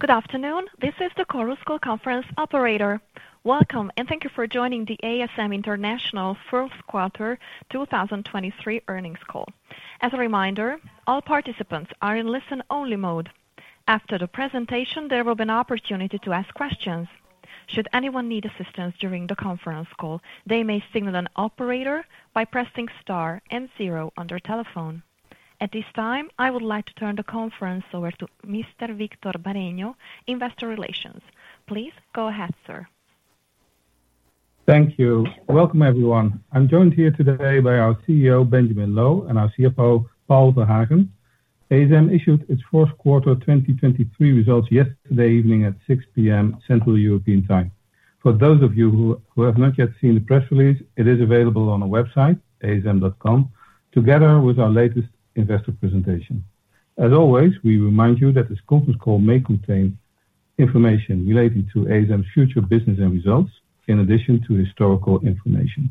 Good afternoon, this is the Chorus Call conference operator. Welcome, and thank you for joining the ASM International fourth quarter 2023 earnings call. As a reminder, all participants are in listen-only mode. After the presentation, there will be an opportunity to ask questions. Should anyone need assistance during the conference call, they may signal an operator by pressing star and zero on their telephone. At this time, I would like to turn the conference over to Mr. Victor Bareño, Investor Relations. Please go ahead, sir. Thank you. Welcome, everyone. I'm joined here today by our CEO, Benjamin Loh, and our CFO, Paul Verhagen. ASM issued its fourth quarter 2023 results yesterday evening at 6:00 P.M. Central European Time. For those of you who have not yet seen the press release, it is available on our website, asm.com, together with our latest investor presentation. As always, we remind you that this conference call may contain information relating to ASM's future business and results, in addition to historical information.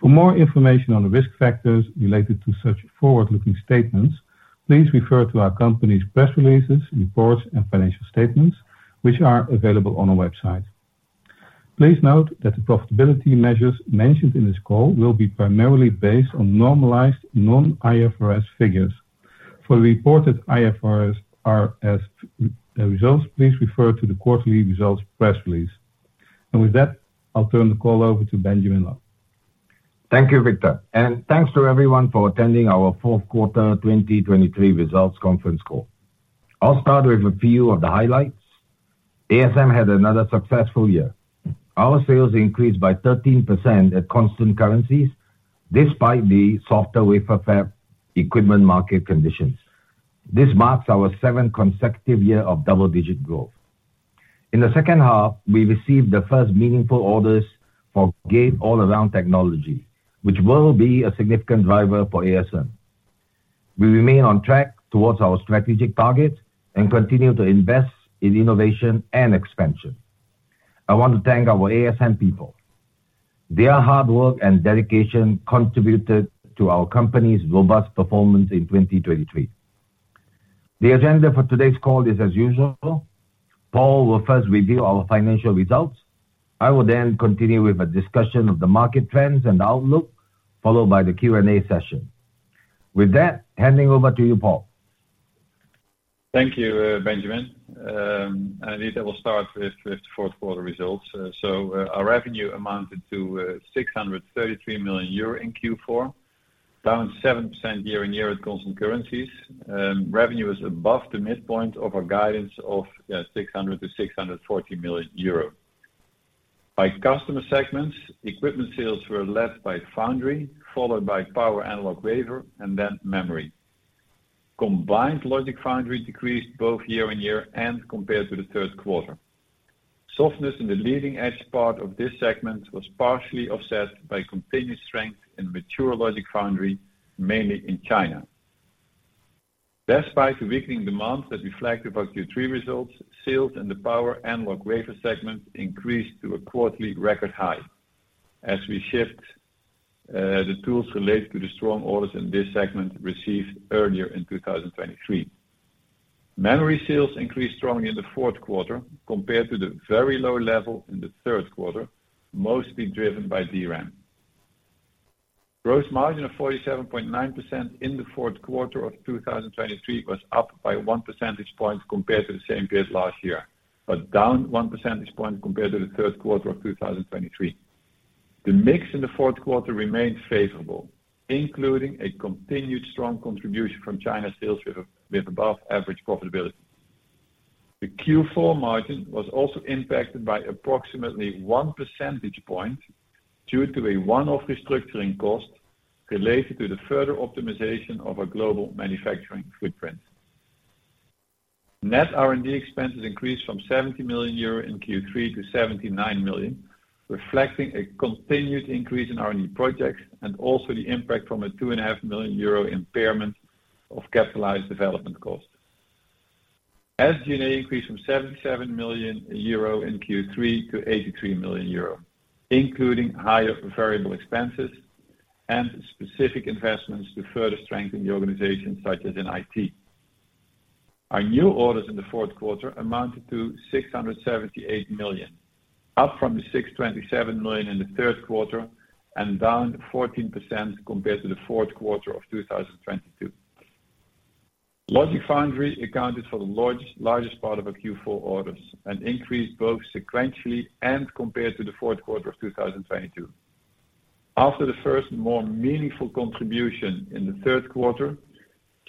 For more information on the risk factors related to such forward-looking statements, please refer to our company's press releases, reports, and financial statements, which are available on our website. Please note that the profitability measures mentioned in this call will be primarily based on normalized non-IFRS figures. For reported IFRS results, please refer to the quarterly results press release. With that, I'll turn the call over to Benjamin Loh. Thank you, Victor, and thanks to everyone for attending our fourth quarter 2023 results conference call. I'll start with a few of the highlights. ASM had another successful year. Our sales increased by 13% at constant currencies, despite the softer wafer fab equipment market conditions. This marks our seventh consecutive year of double-digit growth. In the second half, we received the first meaningful orders for Gate-All-Around technology, which will be a significant driver for ASM. We remain on track towards our strategic target and continue to invest in innovation and expansion. I want to thank our ASM people. Their hard work and dedication contributed to our company's robust performance in 2023. The agenda for today's call is as usual. Paul will first review our financial results. I will then continue with a discussion of the market trends and outlook, followed by the Q&A session. With that, handing over to you, Paul. Thank you, Benjamin. I will start with, with the fourth quarter results. Our revenue amounted to 633 million euro in Q4, down 7% year-on-year at constant currencies. Revenue is above the midpoint of our guidance of 600 million to 640 million euro. By customer segments, equipment sales were led by foundry, followed by power analog wafer, and then memory. Combined logic foundry decreased both year-on-year and compared to the third quarter. Softness in the leading-edge part of this segment was partially offset by continued strength in mature logic foundry, mainly in China. Despite the weakening demand that reflected our Q3 results, sales in the power analog wafer segment increased to a quarterly record high. As we shift the tools related to the strong orders in this segment received earlier in 2023. Memory sales increased strongly in the fourth quarter compared to the very low level in the third quarter, mostly driven by DRAM. Gross margin of 47.9% in the fourth quarter of 2023 was up by one percentage point compared to the same period last year, but down one percentage point compared to the third quarter of 2023. The mix in the fourth quarter remained favorable, including a continued strong contribution from China sales with above-average profitability. The Q4 margin was also impacted by approximately one percentage point due to a one-off restructuring cost related to the further optimization of our global manufacturing footprint. Net R&D expenses increased from 70 million euro in Q3 to 79 million, reflecting a continued increase in R&D projects and also the impact from a 2.5 million euro impairment of capitalized development costs. SG&A increased from 77 million euro in Q3 to 83 million euro, including higher variable expenses and specific investments to further strengthen the organization, such as in IT. Our new orders in the fourth quarter amounted to 678 million, up from the 627 million in the third quarter and down 14% compared to the fourth quarter of 2022. Logic foundry accounted for the largest part of our Q4 orders and increased both sequentially and compared to the fourth quarter of 2022. After the first more meaningful contribution in the third quarter,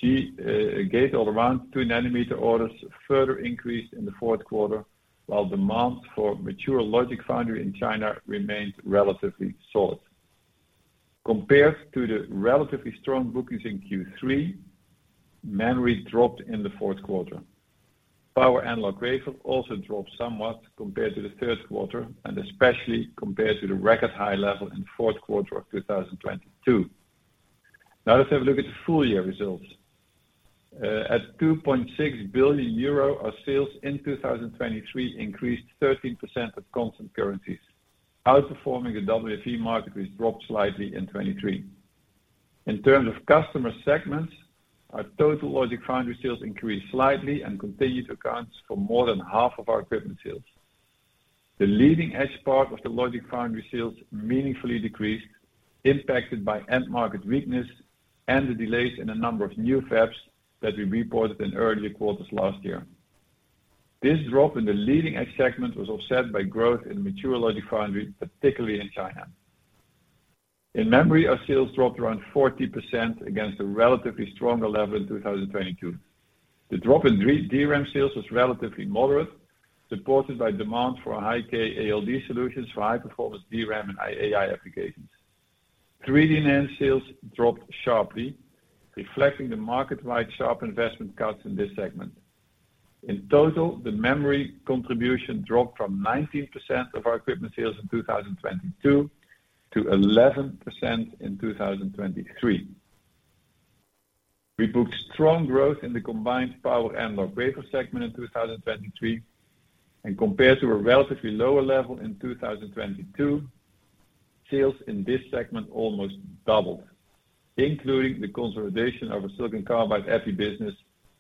GAA Gate-All-Around 2-nanometer orders further increased in the fourth quarter, while demand for mature logic foundry in China remained relatively solid. Compared to the relatively strong bookings in Q3, memory dropped in the fourth quarter. Power analog wafer also dropped somewhat compared to the third quarter, and especially compared to the record high level in the fourth quarter of 2022. Now, let's have a look at the full year results. At 2.6 billion euro, our sales in 2023 increased 13% at constant currencies, outperforming the WFE market, which dropped slightly in 2023.... In terms of customer segments, our total logic foundry sales increased slightly and continued to account for more than half of our equipment sales. The leading-edge part of the logic foundry sales meaningfully decreased, impacted by end market weakness and the delays in a number of new fabs that we reported in earlier quarters last year. This drop in the leading-edge segment was offset by growth in mature logic foundry, particularly in China. In memory, our sales dropped around 40% against a relatively strong level in 2022. The drop in DRAM sales was relatively moderate, supported by demand for high-K ALD solutions for high-performance DRAM and AI applications. 3D NAND sales dropped sharply, reflecting the market-wide sharp investment cuts in this segment. In total, the memory contribution dropped from 19% of our equipment sales in 2022, to 11% in 2023. We booked strong growth in the combined power and logic wafer segment in 2023, and compared to a relatively lower level in 2022, sales in this segment almost doubled, including the consolidation of a silicon carbide Epi business,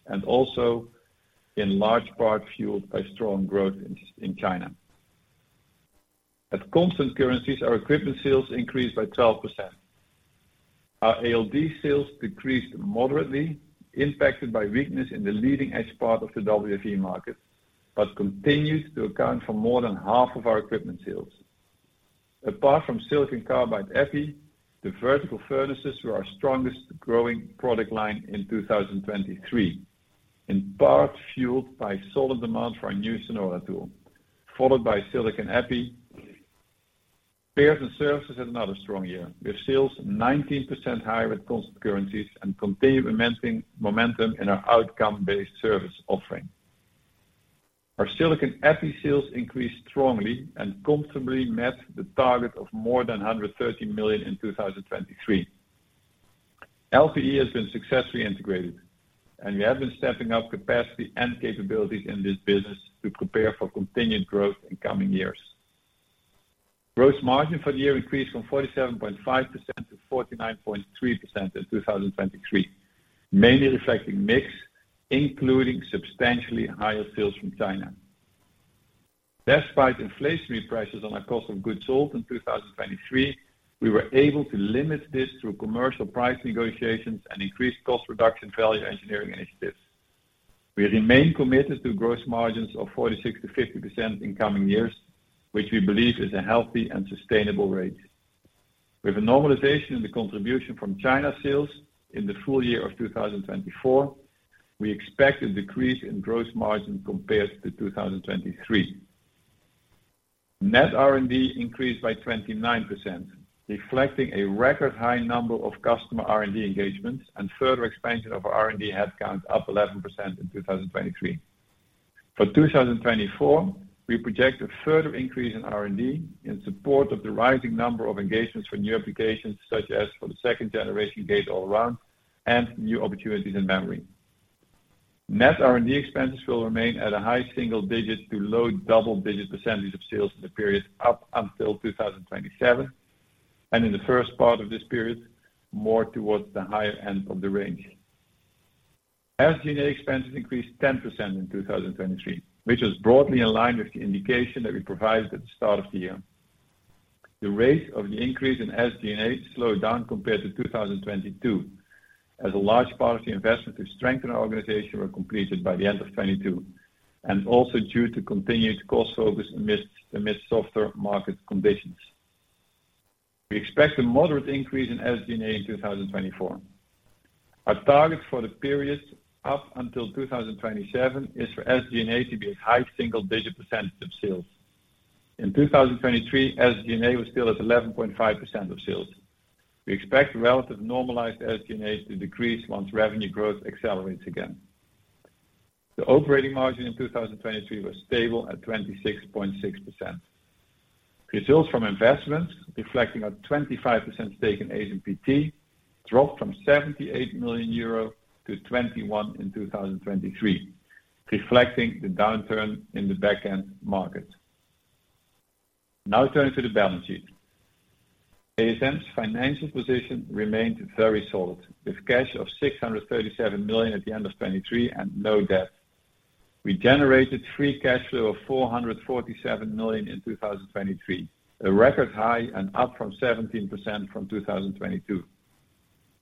and also in large part fueled by strong growth in China. At constant currencies, our equipment sales increased by 12%. Our ALD sales decreased moderately, impacted by weakness in the leading-edge part of the WFE market, but continues to account for more than half of our equipment sales. Apart from silicon carbide Epi, the vertical furnaces were our strongest growing product line in 2023, in part fueled by solid demand for our new Sonora tool, followed by silicon Epi. Spares & Services had another strong year, with sales 19% higher at constant currencies and continued momentum, momentum in our outcome-based service offering. Our silicon Epi sales increased strongly and comfortably met the target of more than 130 million in 2023. LPE has been successfully integrated, and we have been stepping up capacity and capabilities in this business to prepare for continued growth in coming years. Gross margin for the year increased from 47.5% to 49.3% in 2023, mainly reflecting mix, including substantially higher sales from China. Despite inflationary prices on our cost of goods sold in 2023, we were able to limit this through commercial price negotiations and increased cost reduction value engineering initiatives. We remain committed to gross margins of 46%-50% in coming years, which we believe is a healthy and sustainable rate. With a normalization in the contribution from China sales in the full year of 2024, we expect a decrease in gross margin compared to 2023. Net R&D increased by 29%, reflecting a record high number of customer R&D engagements and further expansion of our R&D headcount, up 11% in 2023. For 2024, we project a further increase in R&D in support of the rising number of engagements for new applications, such as for the second-generation Gate-All-Around and new opportunities in memory. Net R&D expenses will remain at a high single-digit to low double-digit % of sales in the period up until 2027, and in the first part of this period, more towards the higher end of the range. SG&A expenses increased 10% in 2023, which was broadly in line with the indication that we provided at the start of the year. The rate of the increase in SG&A slowed down compared to 2022, as a large part of the investment to strengthen our organization were completed by the end of 2022, and also due to continued cost focus amidst softer market conditions. We expect a moderate increase in SG&A in 2024. Our target for the period up until 2027 is for SG&A to be a high single-digit % of sales. In 2023, SG&A was still at 11.5% of sales. We expect relative normalized SG&A to decrease once revenue growth accelerates again. The operating margin in 2023 was stable at 26.6%. Results from investments, reflecting a 25% stake in ASMPT, dropped from 78 million euro to 21 million in 2023, reflecting the downturn in the back-end market. Now turning to the balance sheet. ASM's financial position remained very solid, with cash of 637 million at the end of 2023 and no debt. We generated free cash flow of 447 million in 2023, a record high and up 17% from 2022.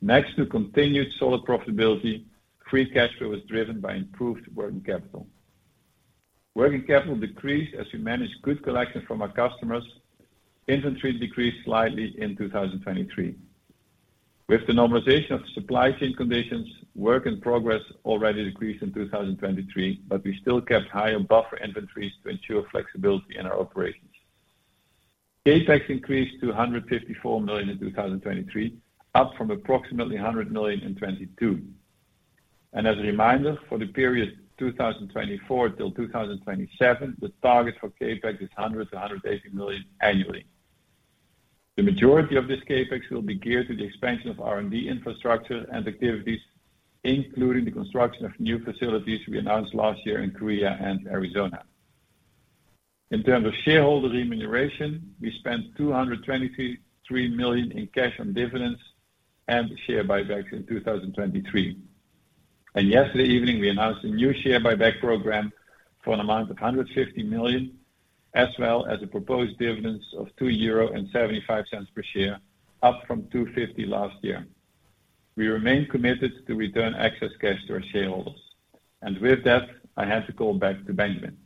Next, to continued solid profitability, free cash flow was driven by improved working capital. Working capital decreased as we managed good collection from our customers. Inventory decreased slightly in 2023. With the normalization of supply chain conditions, work in progress already decreased in 2023, but we still kept higher buffer inventories to ensure flexibility in our operations. CapEx increased to 154 million in 2023, up from approximately 100 million in 2022. As a reminder, for the period 2024 till 2027, the target for CapEx is 100 million-180 million annually. The majority of this CapEx will be geared to the expansion of R&D infrastructure and activities, including the construction of new facilities we announced last year in Korea and Arizona. In terms of shareholder remuneration, we spent 223 million in cash on dividends and share buybacks in 2023. And yesterday evening, we announced a new share buyback program for an amount of 150 million, as well as a proposed dividend of 2.75 euro per share, up from 2.50 last year. We remain committed to return excess cash to our shareholders. And with that, I have to go back to Benjamin.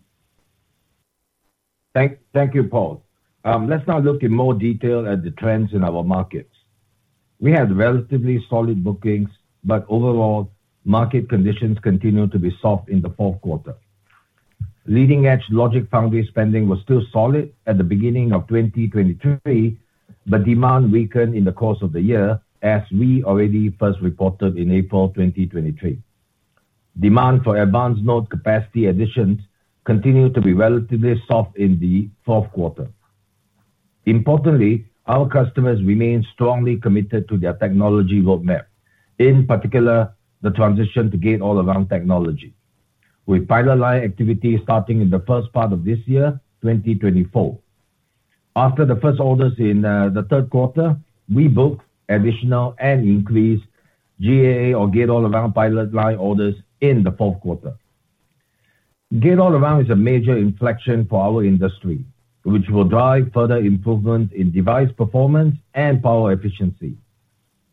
Thank you, Paul. Let's now look in more detail at the trends in our markets. We had relatively solid bookings, but overall, market conditions continued to be soft in the fourth quarter. Leading-edge logic foundry spending was still solid at the beginning of 2023, but demand weakened in the course of the year, as we already first reported in April 2023. Demand for advanced node capacity additions continued to be relatively soft in the fourth quarter. Importantly, our customers remain strongly committed to their technology roadmap, in particular, the transition to Gate-All-Around technology, with pilot line activity starting in the first part of this year, 2024. After the first orders in the third quarter, we booked additional and increased GAA or Gate-All-Around pilot line orders in the fourth quarter. Gate-All-Around is a major inflection for our industry, which will drive further improvement in device performance and power efficiency,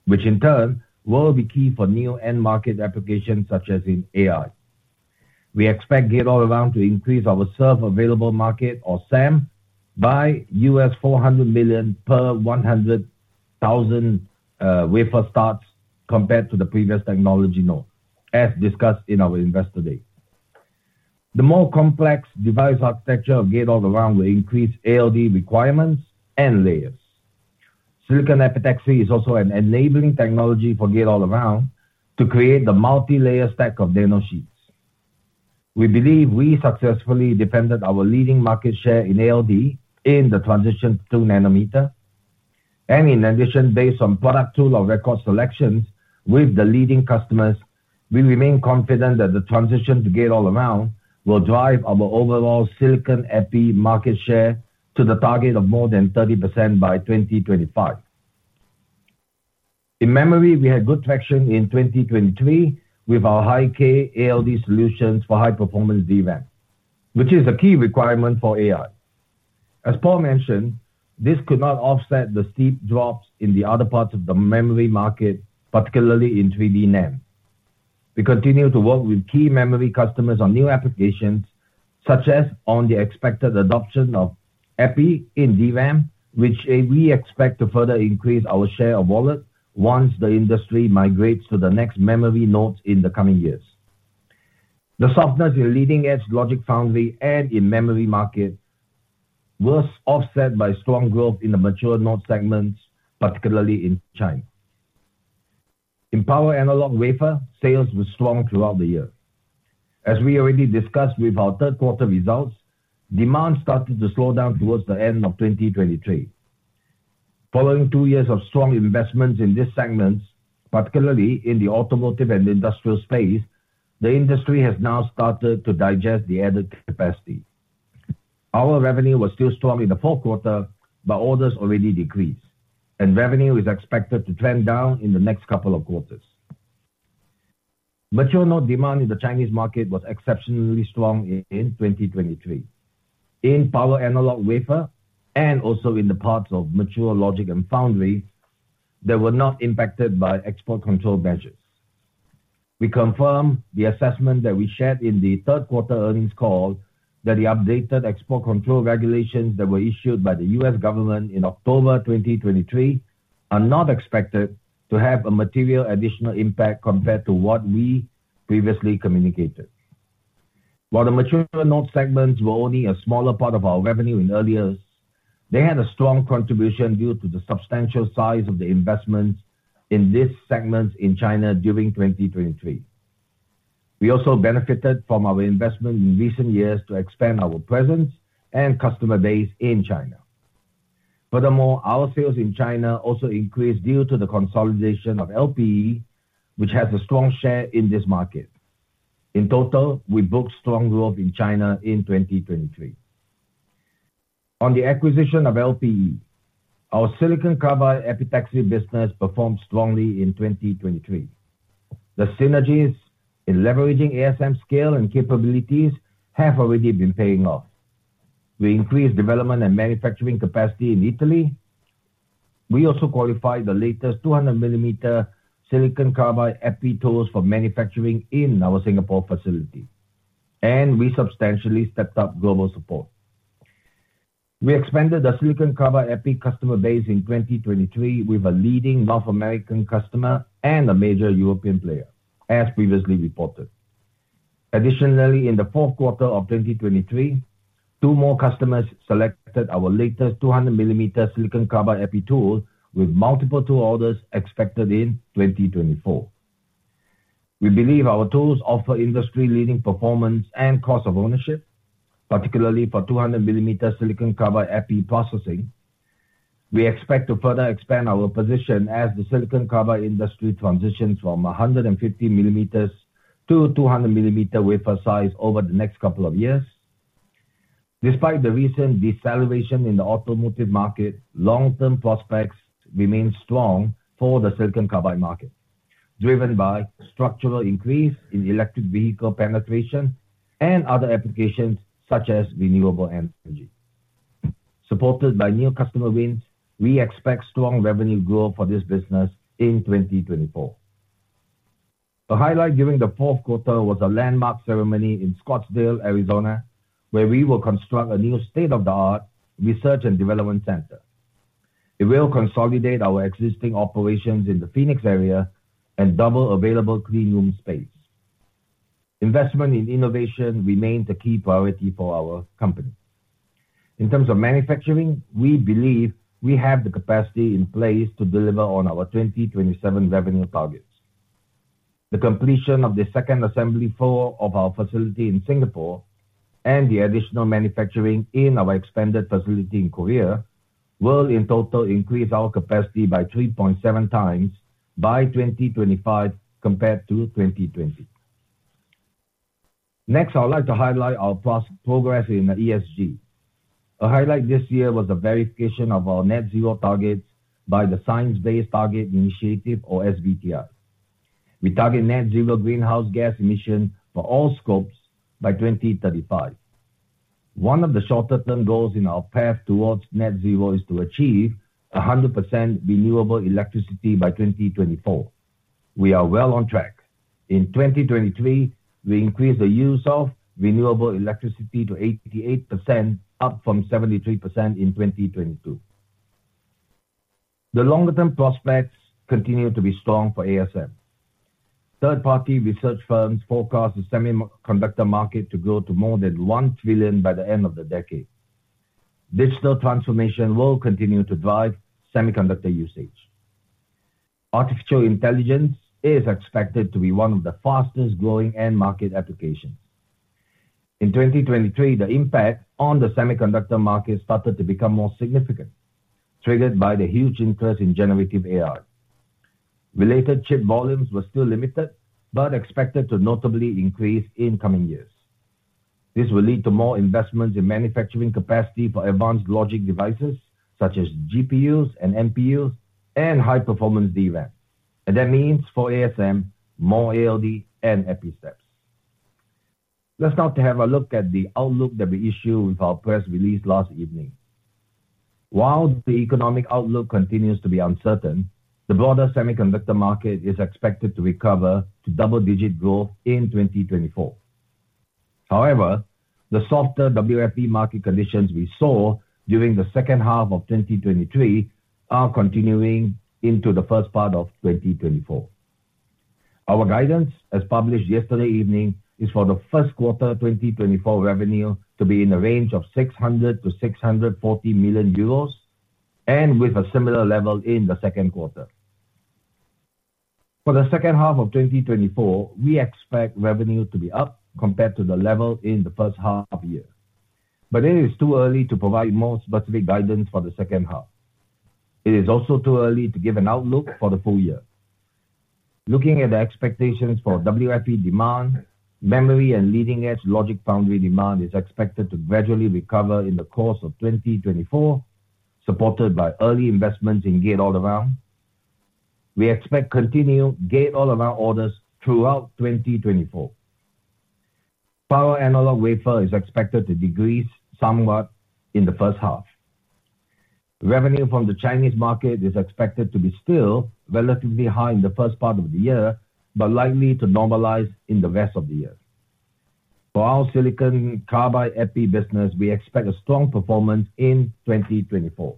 which in turn will be key for new end market applications, such as in AI. We expect Gate-All-Around to increase our served available market, or SAM, by $400 million per 100,000 wafer starts compared to the previous technology node, as discussed in our Investor Day. The more complex device architecture of Gate-All-Around will increase ALD requirements and layers. Silicon epitaxy is also an enabling technology for Gate-All-Around to create the multilayer stack of nano sheets. We believe we successfully defended our leading market share in ALD in the transition to 2 nm, and in addition, based on product tool of record selections with the leading customers, we remain confident that the transition to Gate-All-Around will drive our overall silicon epi market share to the target of more than 30% by 2025. In memory, we had good traction in 2023 with our high-K ALD solutions for high-performance DRAM, which is a key requirement for AI. As Paul mentioned, this could not offset the steep drops in the other parts of the memory market, particularly in 3D NAND. We continue to work with key memory customers on new applications, such as on the expected adoption of epi in DRAM, which, we expect to further increase our share of wallet once the industry migrates to the next memory nodes in the coming years. The softness in leading-edge logic foundry and in memory market was offset by strong growth in the mature node segments, particularly in China. In power analog wafer, sales were strong throughout the year. As we already discussed with our third quarter results, demand started to slow down towards the end of 2023. Following two years of strong investments in this segment, particularly in the automotive and industrial space, the industry has now started to digest the added capacity. Our revenue was still strong in the fourth quarter, but orders already decreased, and revenue is expected to trend down in the next couple of quarters. Mature node demand in the Chinese market was exceptionally strong in 2023. In power analog wafer, and also in the parts of mature logic and foundry, they were not impacted by export control measures. We confirm the assessment that we shared in the third quarter earnings call, that the updated export control regulations that were issued by the U.S. government in October 2023, are not expected to have a material additional impact compared to what we previously communicated. While the mature node segments were only a smaller part of our revenue in earlier years, they had a strong contribution due to the substantial size of the investments in this segment in China during 2023. We also benefited from our investment in recent years to expand our presence and customer base in China. Furthermore, our sales in China also increased due to the consolidation of LPE, which has a strong share in this market. In total, we booked strong growth in China in 2023. On the acquisition of LPE, our silicon carbide epitaxy business performed strongly in 2023. The synergies in leveraging ASM scale and capabilities have already been paying off. We increased development and manufacturing capacity in Italy. We also qualified the latest 200 millimeter silicon carbide epi tools for manufacturing in our Singapore facility, and we substantially stepped up global support. We expanded the silicon carbide epi customer base in 2023 with a leading North American customer and a major European player, as previously reported. Additionally, in the fourth quarter of 2023, two more customers selected our latest 200 millimeter silicon carbide epi tool, with multiple tool orders expected in 2024. We believe our tools offer industry-leading performance and cost of ownership, particularly for 200 millimeter silicon carbide epi processing.... We expect to further expand our position as the silicon carbide industry transitions from 150 millimeters to 200 millimeter wafer size over the next couple of years. Despite the recent deceleration in the automotive market, long-term prospects remain strong for the silicon carbide market, driven by structural increase in electric vehicle penetration and other applications such as renewable energy. Supported by new customer wins, we expect strong revenue growth for this business in 2024. A highlight during the fourth quarter was a landmark ceremony in Scottsdale, Arizona, where we will construct a new state-of-the-art research and development center. It will consolidate our existing operations in the Phoenix area and double available clean room space. Investment in innovation remains a key priority for our company. In terms of manufacturing, we believe we have the capacity in place to deliver on our 2027 revenue targets. The completion of the second assembly floor of our facility in Singapore and the additional manufacturing in our expanded facility in Korea will in total increase our capacity by 3.7 times by 2025 compared to 2020. Next, I would like to highlight our progress in ESG. A highlight this year was the verification of our net zero target by the Science Based Target Initiative, or SBTi. We target net zero greenhouse gas emission for all scopes by 2035. One of the shorter term goals in our path towards net zero is to achieve 100% renewable electricity by 2024. We are well on track. In 2023, we increased the use of renewable electricity to 88%, up from 73% in 2022. The longer term prospects continue to be strong for ASM. Third-party research firms forecast the semiconductor market to grow to more than $1 trillion by the end of the decade. Digital transformation will continue to drive semiconductor usage. Artificial intelligence is expected to be one of the fastest growing end market applications. In 2023, the impact on the semiconductor market started to become more significant, triggered by the huge interest in generative AI. Related chip volumes were still limited, but expected to notably increase in coming years. This will lead to more investments in manufacturing capacity for advanced logic devices such as GPUs and MPUs and high-performance DRAM. And that means for ASM, more ALD and Epi steps. Let's now to have a look at the outlook that we issued with our press release last evening. While the economic outlook continues to be uncertain, the broader semiconductor market is expected to recover to double-digit growth in 2024. However, the softer WFE market conditions we saw during the second half of 2023 are continuing into the first part of 2024. Our guidance, as published yesterday evening, is for the first quarter 2024 revenue to be in the range of 600 million-640 million euros, and with a similar level in the second quarter. For the second half of 2024, we expect revenue to be up compared to the level in the first half of the year, but it is too early to provide more specific guidance for the second half. It is also too early to give an outlook for the full year. Looking at the expectations for WFE demand, memory and leading-edge logic foundry demand is expected to gradually recover in the course of 2024, supported by early investments in gate-all-around. We expect continued gate all around orders throughout 2024. Power analog wafer is expected to decrease somewhat in the first half. Revenue from the Chinese market is expected to be still relatively high in the first part of the year, but likely to normalize in the rest of the year. For our silicon carbide EPI business, we expect a strong performance in 2024.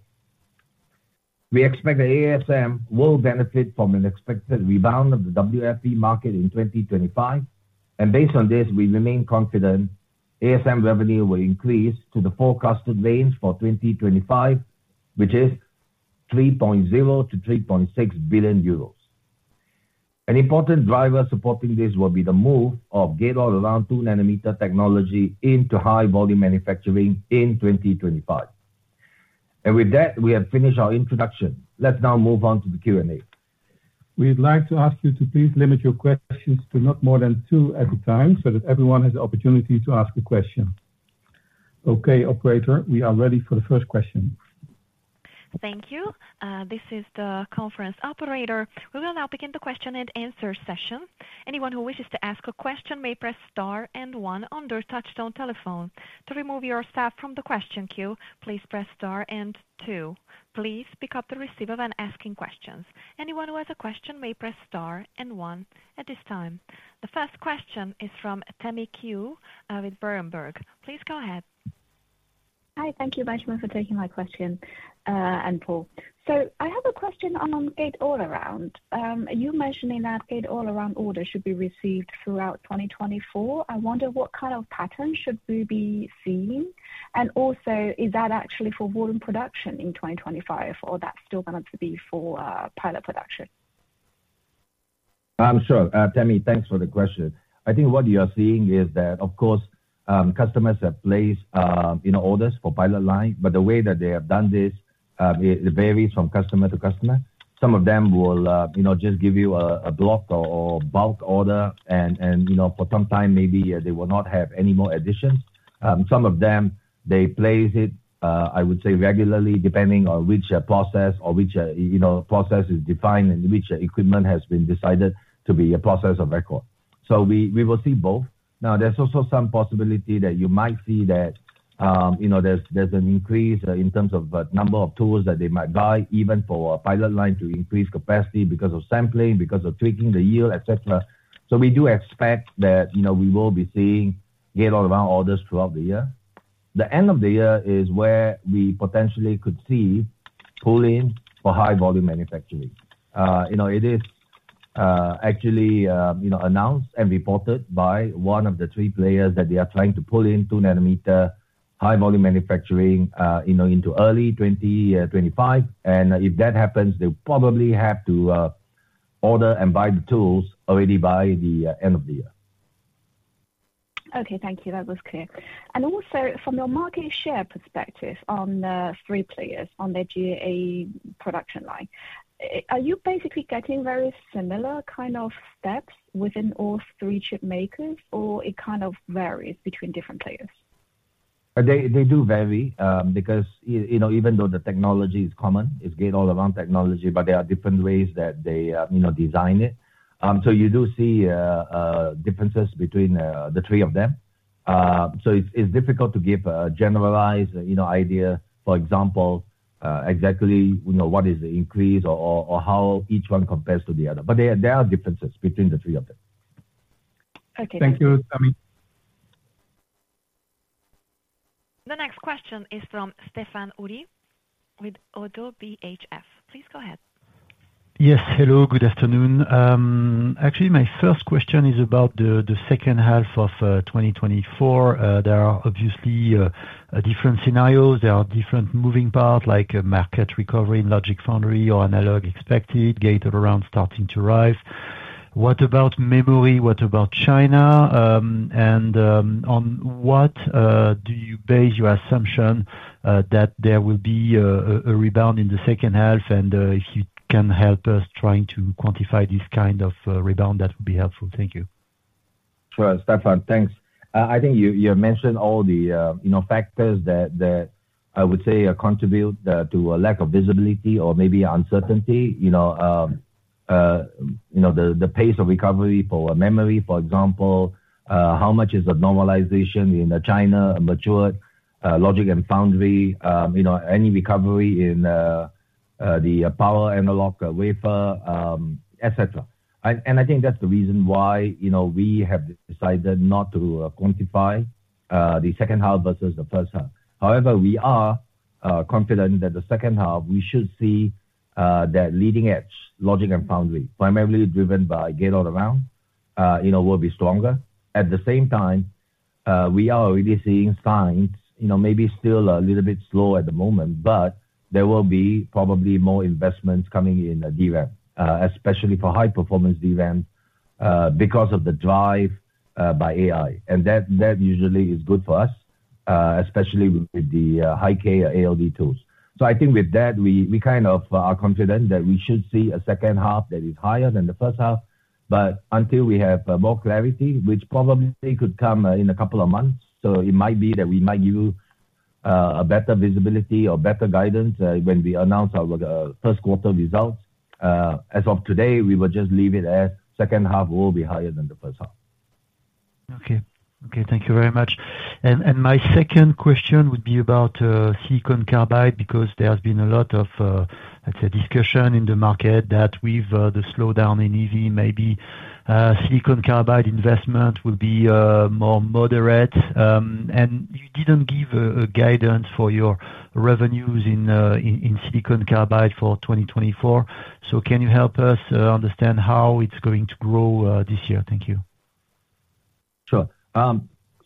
We expect that ASM will benefit from an expected rebound of the WFE market in 2025, and based on this, we remain confident ASM revenue will increase to the forecasted range for 2025, which is 3.0 billion-3.6 billion euros. An important driver supporting this will be the move of gate all around 2-nanometer technology into high volume manufacturing in 2025. And with that, we have finished our introduction. Let's now move on to the Q&A. We'd like to ask you to please limit your questions to not more than two at a time, so that everyone has the opportunity to ask a question. Okay, operator, we are ready for the first question. Thank you. This is the conference operator. We will now begin the question and answer session. Anyone who wishes to ask a question may press star and one on their touchtone telephone. To remove yourself from the question queue, please press star and two. Please pick up the receiver when asking questions. Anyone who has a question may press star and one at this time. The first question is from Tammy Qiu with Berenberg. Please go ahead. Hi, thank you very much for taking my question, and Paul. So I have a question on Gate-All-Around. You mentioning that Gate-All-Around order should be received throughout 2024. I wonder what kind of pattern should we be seeing? And also, is that actually for volume production in 2025, or that's still going to be for pilot production? Sure. Tammy, thanks for the question. I think what you are seeing is that, of course, customers have placed, you know, orders for pilot line, but the way that they have done this, it varies from customer to customer. Some of them will, you know, just give you a block or bulk order and, you know, for some time, maybe, they will not have any more additions. Some of them, they place it, I would say, regularly, depending on which process or which, you know, process is defined, and which equipment has been decided to be a process of record. So we will see both. Now, there's also some possibility that you might see that, you know, there's, there's an increase in terms of, number of tools that they might buy, even for a pilot line to increase capacity because of sampling, because of tweaking the yield, et cetera. So we do expect that, you know, we will be seeing gate all around orders throughout the year. The end of the year is where we potentially could see pull-in for high-volume manufacturing. You know, it is, actually, you know, announced and reported by one of the three players that they are trying to pull in 2 nanometer, high-volume manufacturing, you know, into early 2025. And if that happens, they'll probably have to, order and buy the tools already by the, end of the year. Okay, thank you. That was clear. And also, from your market share perspective on the three players, on the GAA production line, are you basically getting very similar kind of steps within all three chip makers, or it kind of varies between different players? They, they do vary, because, you, you know, even though the technology is common, it's Gate-All-Around technology, but there are different ways that they, you know, design it. So you do see, differences between, the three of them. So it's, it's difficult to give a generalized, you know, idea, for example, exactly, you know, what is the increase or, or, or how each one compares to the other, but there are, there are differences between the three of them. Okay. Thank you, Tammy. The next question is from Stéphane Houri with Oddo BHF. Please go ahead. Yes. Hello, good afternoon. Actually, my first question is about the second half of 2024. There are obviously different scenarios. There are different moving parts, like market recovery in logic foundry or analog expected, gate around starting to rise. What about memory? What about China? And on what do you base your assumption that there will be a rebound in the second half? And if you can help us trying to quantify this kind of rebound, that would be helpful. Thank you. Sure, Stephane, thanks. I think you mentioned all the, you know, factors that I would say contribute to a lack of visibility or maybe uncertainty, you know, the pace of recovery for memory, for example, how much is the normalization in China, mature logic and foundry, you know, any recovery in the power analog, wafer, et cetera. And I think that's the reason why, you know, we have decided not to quantify the second half versus the first half. However, we are confident that the second half we should see that leading edge, logic and foundry, primarily driven by gate all around, you know, will be stronger. At the same time, we are already seeing signs, you know, maybe still a little bit slow at the moment, but there will be probably more investments coming in, DRAM, especially for high-performance DRAM, because of the drive by AI. And that, that usually is good for us, especially with the high-K ALD tools. So I think with that, we, we kind of are confident that we should see a second half that is higher than the first half, but until we have more clarity, which probably could come in a couple of months, so it might be that we might give you a better visibility or better guidance when we announce our first quarter results. As of today, we will just leave it as second half will be higher than the first half. Okay. Okay, thank you very much. And my second question would be about silicon carbide, because there has been a lot of, let's say, discussion in the market that with the slowdown in EV, maybe silicon carbide investment will be more moderate. And you didn't give a guidance for your revenues in silicon carbide for 2024. So can you help us understand how it's going to grow this year? Thank you. Sure.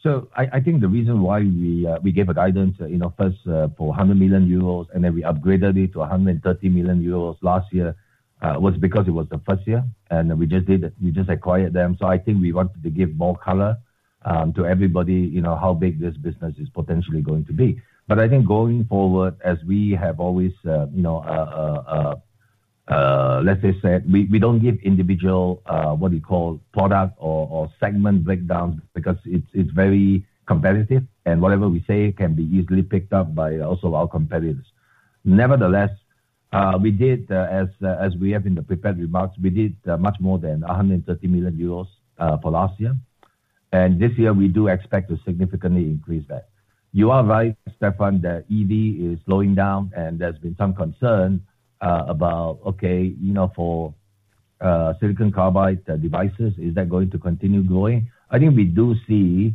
So I, I think the reason why we, we gave a guidance, you know, first, for 100 million euros, and then we upgraded it to 130 million euros last year, was because it was the first year, and we just did it, we just acquired them. So I think we wanted to give more color, to everybody, you know, how big this business is potentially going to be. But I think going forward, as we have always, you know, let's say, said, we, we don't give individual, what we call product or, or segment breakdown, because it's, it's very competitive, and whatever we say can be easily picked up by also our competitors. Nevertheless, we did, as we have in the prepared remarks, we did much more than 130 million euros for last year. And this year, we do expect to significantly increase that. You are right, Stefan, that EV is slowing down, and there's been some concern about, okay, you know, for silicon carbide devices, is that going to continue growing? I think we do see,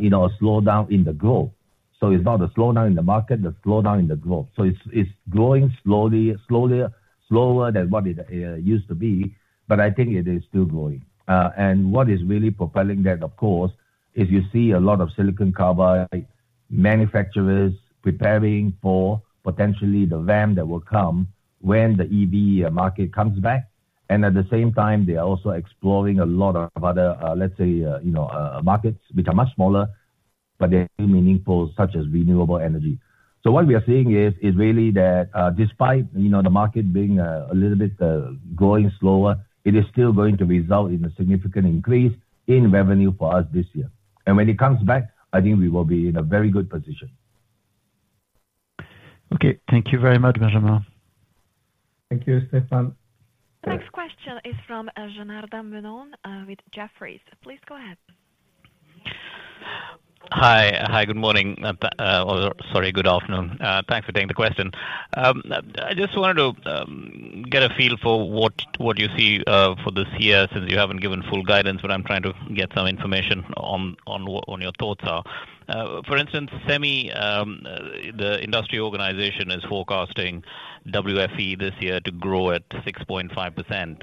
you know, a slowdown in the growth. So it's not a slowdown in the market, a slowdown in the growth. So it's, it's growing slowly, slowly, slower than what it used to be, but I think it is still growing. And what is really propelling that, of course, is you see a lot of silicon carbide manufacturers preparing for potentially the ramp that will come when the EV market comes back. And at the same time, they are also exploring a lot of other, let's say, you know, markets, become much smaller, but they're still meaningful, such as renewable energy. So what we are seeing is really that, despite, you know, the market being, a little bit, going slower, it is still going to result in a significant increase in revenue for us this year. And when it comes back, I think we will be in a very good position. Okay, thank you very much, Benjamin. Thank you, Stéphane. The next question is from Janardan Menon with Jefferies. Please go ahead. Hi. Hi, good morning. Or sorry, good afternoon. Thanks for taking the question. I just wanted to get a feel for what you see for this year, since you haven't given full guidance, but I'm trying to get some information on what your thoughts are. For instance, SEMI, the industry organization, is forecasting WFE this year to grow at 6.5%.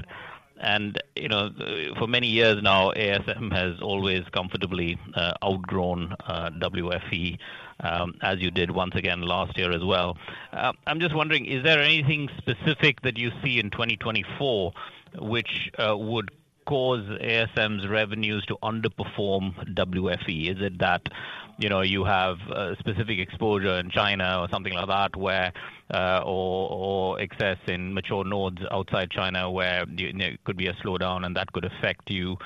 You know, for many years now, ASM has always comfortably outgrown WFE, as you did once again last year as well. I'm just wondering, is there anything specific that you see in 2024 which would cause ASM's revenues to underperform WFE? Is it that, you know, you have, specific exposure in China or something like that, where, or, or excess in mature nodes outside China, where, you know, could be a slowdown and that could affect you?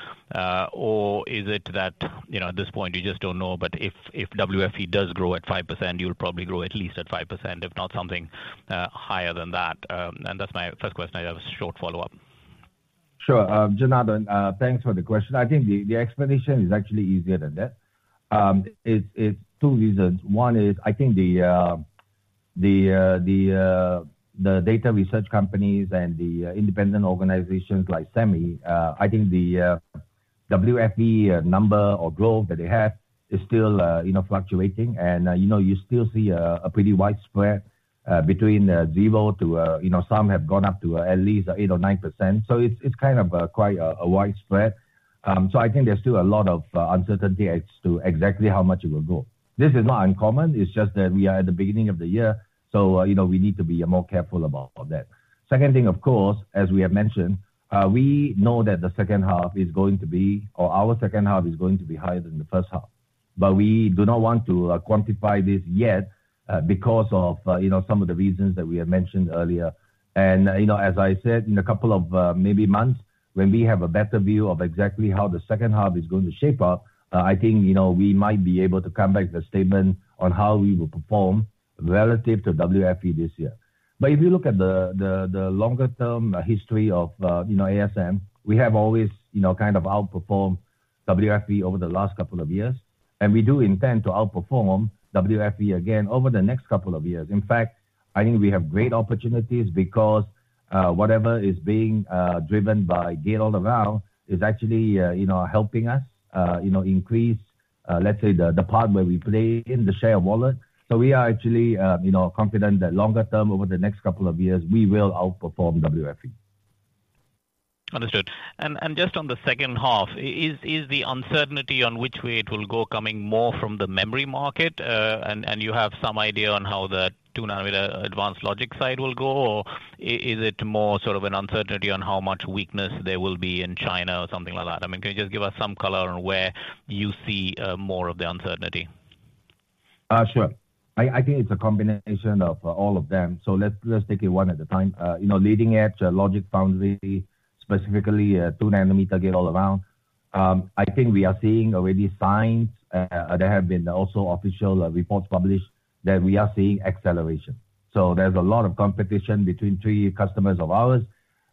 Or is it that, you know, at this point, you just don't know, but if, if WFE does grow at 5%, you'll probably grow at least at 5%, if not something, higher than that. And that's my first question. I have a short follow-up. Sure. Janardan, thanks for the question. I think the explanation is actually easier than that. It's two reasons. One is, I think the data research companies and the independent organizations like SEMI, I think the WFE number or growth that they have is still, you know, fluctuating. You know, you still see a pretty wide spread between zero to, you know, some have gone up to at least 8 or 9%. It's kind of quite a wide spread. So I think there's still a lot of uncertainty as to exactly how much it will grow. This is not uncommon. It's just that we are at the beginning of the year, so, you know, we need to be more careful about that. Second thing, of course, as we have mentioned, we know that the second half is going to be, or our second half is going to be higher than the first half. But we do not want to quantify this yet, because of, you know, some of the reasons that we have mentioned earlier. And, you know, as I said, in a couple of, maybe months, when we have a better view of exactly how the second half is going to shape up, I think, you know, we might be able to come back with a statement on how we will perform relative to WFE this year. But if you look at the longer term history of, you know, ASM, we have always, you know, kind of outperformed WFE over the last couple of years, and we do intend to outperform WFE again over the next couple of years. In fact, I think we have great opportunities because, whatever is being driven by Gate-All-Around, is actually, you know, helping us, you know, increase, let's say the part where we play in the share of wallet. So we are actually, you know, confident that longer term, over the next couple of years, we will outperform WFE. Understood. And just on the second half, is the uncertainty on which way it will go coming more from the memory market? And you have some idea on how the 2 nanometer advanced logic side will go, or is it more sort of an uncertainty on how much weakness there will be in China or something like that? I mean, can you just give us some color on where you see more of the uncertainty? Sure. I think it's a combination of all of them. So let's take it one at a time. You know, leading edge, logic foundry, specifically, 2 nm Gate-All-Around. I think we are seeing already signs. There have been also official reports published that we are seeing acceleration. So there's a lot of competition between 3 customers of ours,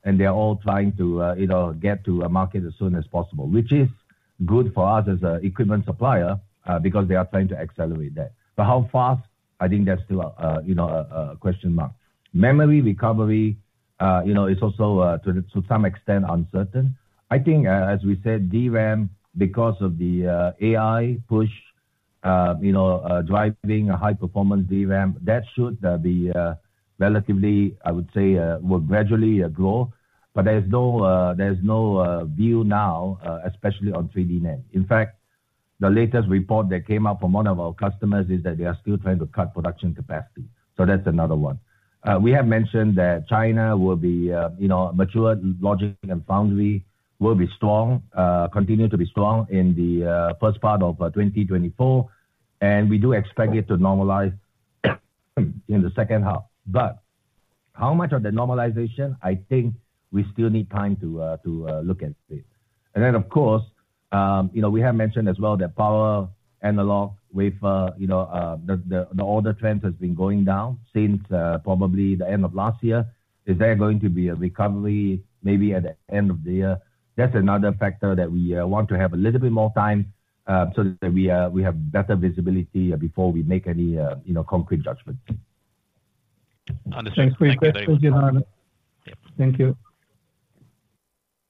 and they're all trying to, you know, get to a market as soon as possible, which is good for us as an equipment supplier, because they are trying to accelerate that. But how fast? I think that's still a, you know, a question mark. Memory recovery, you know, is also to some extent uncertain. I think, as we said, DRAM, because of the AI push, you know, driving a high performance DRAM, that should be relatively, I would say, will gradually grow. But there's no, there's no view now, especially on 3D NAND. In fact, the latest report that came out from one of our customers is that they are still trying to cut production capacity. So that's another one. We have mentioned that China will be, you know, mature logic and foundry will be strong, continue to be strong in the first part of 2024, and we do expect it to normalize in the second half. But how much of the normalization? I think we still need time to, to look at this. And then, of course, you know, we have mentioned as well that power analog wafer, you know, the order trend has been going down since, probably the end of last year. Is there going to be a recovery maybe at the end of the year? That's another factor that we want to have a little bit more time, so that we have better visibility before we make any, you know, concrete judgments. Understood. Thanks for your question, Janardan. Thank you.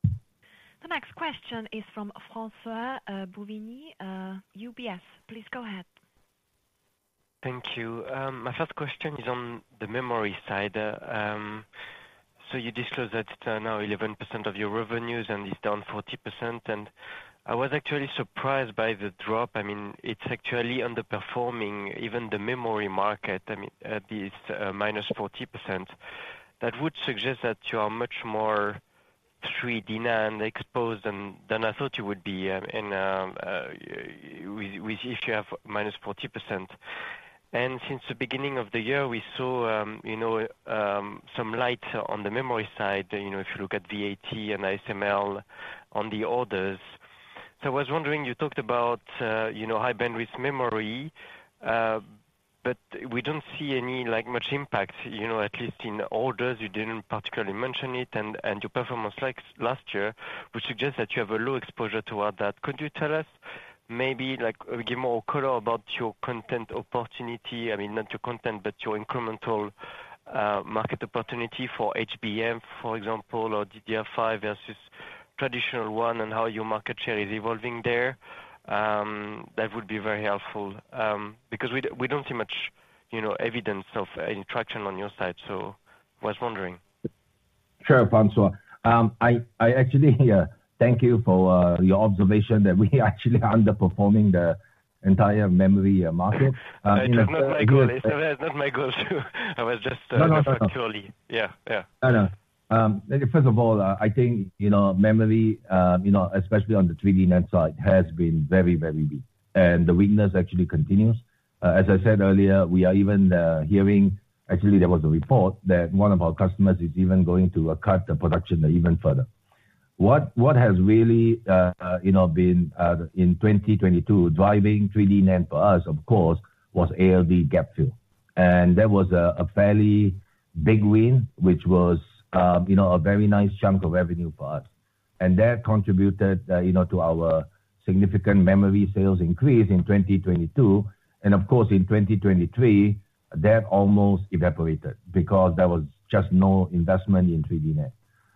The next question is from François-Xavier Bouvignies, UBS. Please go ahead. Thank you. My first question is on the memory side. So you disclose that now 11% of your revenues and is down 40%, and I was actually surprised by the drop. I mean, it's actually underperforming even the memory market, I mean, at least -40%. That would suggest that you are much more 3D NAND exposed than I thought you would be, and with if you have -40%. And since the beginning of the year, we saw some light on the memory side, you know, if you look at VAT and ASML on the orders. So I was wondering, you talked about high bandwidth memory, but we don't see any, like, much impact, you know, at least in orders. You didn't particularly mention it, and your performance like last year, which suggests that you have a low exposure toward that. Could you tell us maybe like, give more color about your content opportunity? I mean, not your content, but your incremental market opportunity for HBM, for example, or DDR5 versus traditional one, and how your market share is evolving there? That would be very helpful, because we don't see much, you know, evidence of any traction on your side. So I was wondering. Sure, Francois. I actually thank you for your observation that we are actually underperforming the entire memory market. You know- It was not my goal. It's not my goal, too. I was just, No, no, Actually. Yeah, yeah. I know. First of all, I think, you know, memory, you know, especially on the 3D NAND side, has been very, very weak, and the weakness actually continues. As I said earlier, we are even hearing... Actually, there was a report that one of our customers is even going to cut the production even further. What has really, you know, been, in 2022, driving 3D NAND for us, of course, was ALD gap fill. And that was a fairly big win, which was, you know, a very nice chunk of revenue for us. And that contributed, you know, to our significant memory sales increase in 2022. And of course, in 2023, that almost evaporated because there was just no investment in 3D NAND.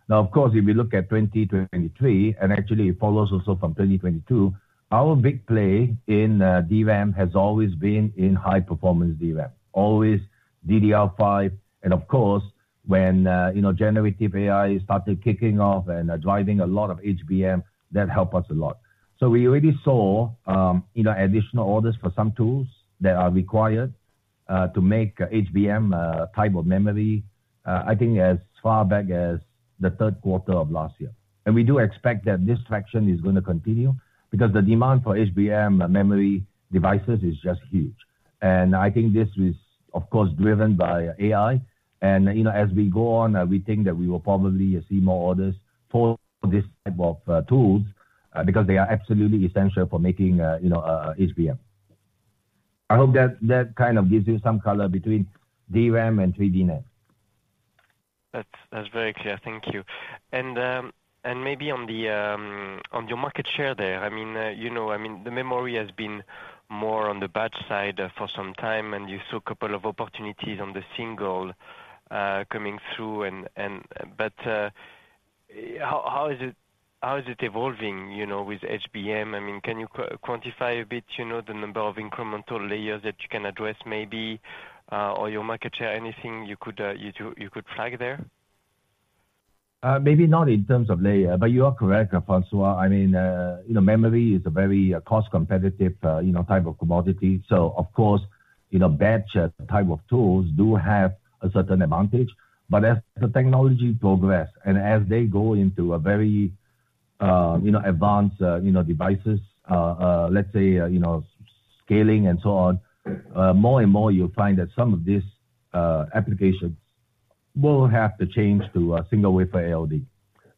Now, of course, if you look at 2023, and actually it follows also from 2022, our big play in DRAM has always been in high performance DRAM, always DDR5. And of course, when you know, generative AI started kicking off and driving a lot of HBM, that helped us a lot. So we already saw you know, additional orders for some tools that are required to make HBM type of memory I think as far back as the third quarter of last year. And we do expect that this traction is gonna continue because the demand for HBM memory devices is just huge. And I think this is, of course, driven by AI. And, you know, as we go on, we think that we will probably see more orders for this type of tools, because they are absolutely essential for making, you know, HBM. I hope that, that kind of gives you some color between DRAM and 3D NAND. That's very clear. Thank you. And maybe on your market share there, I mean, you know, I mean, the memory has been more on the batch side for some time, and you saw a couple of opportunities on the single coming through and—but how is it evolving, you know, with HBM? I mean, can you quantify a bit, you know, the number of incremental layers that you can address maybe, or your market share? Anything you could flag there? Maybe not in terms of layer, but you are correct, Francois. I mean, you know, memory is a very cost competitive, you know, type of commodity. So of course, you know, batch type of tools do have a certain advantage. But as the technology progress and as they go into a very, you know, advanced, you know, devices, let's say, you know, scaling and so on, more and more you'll find that some of these, applications will have to change to a single wafer ALD.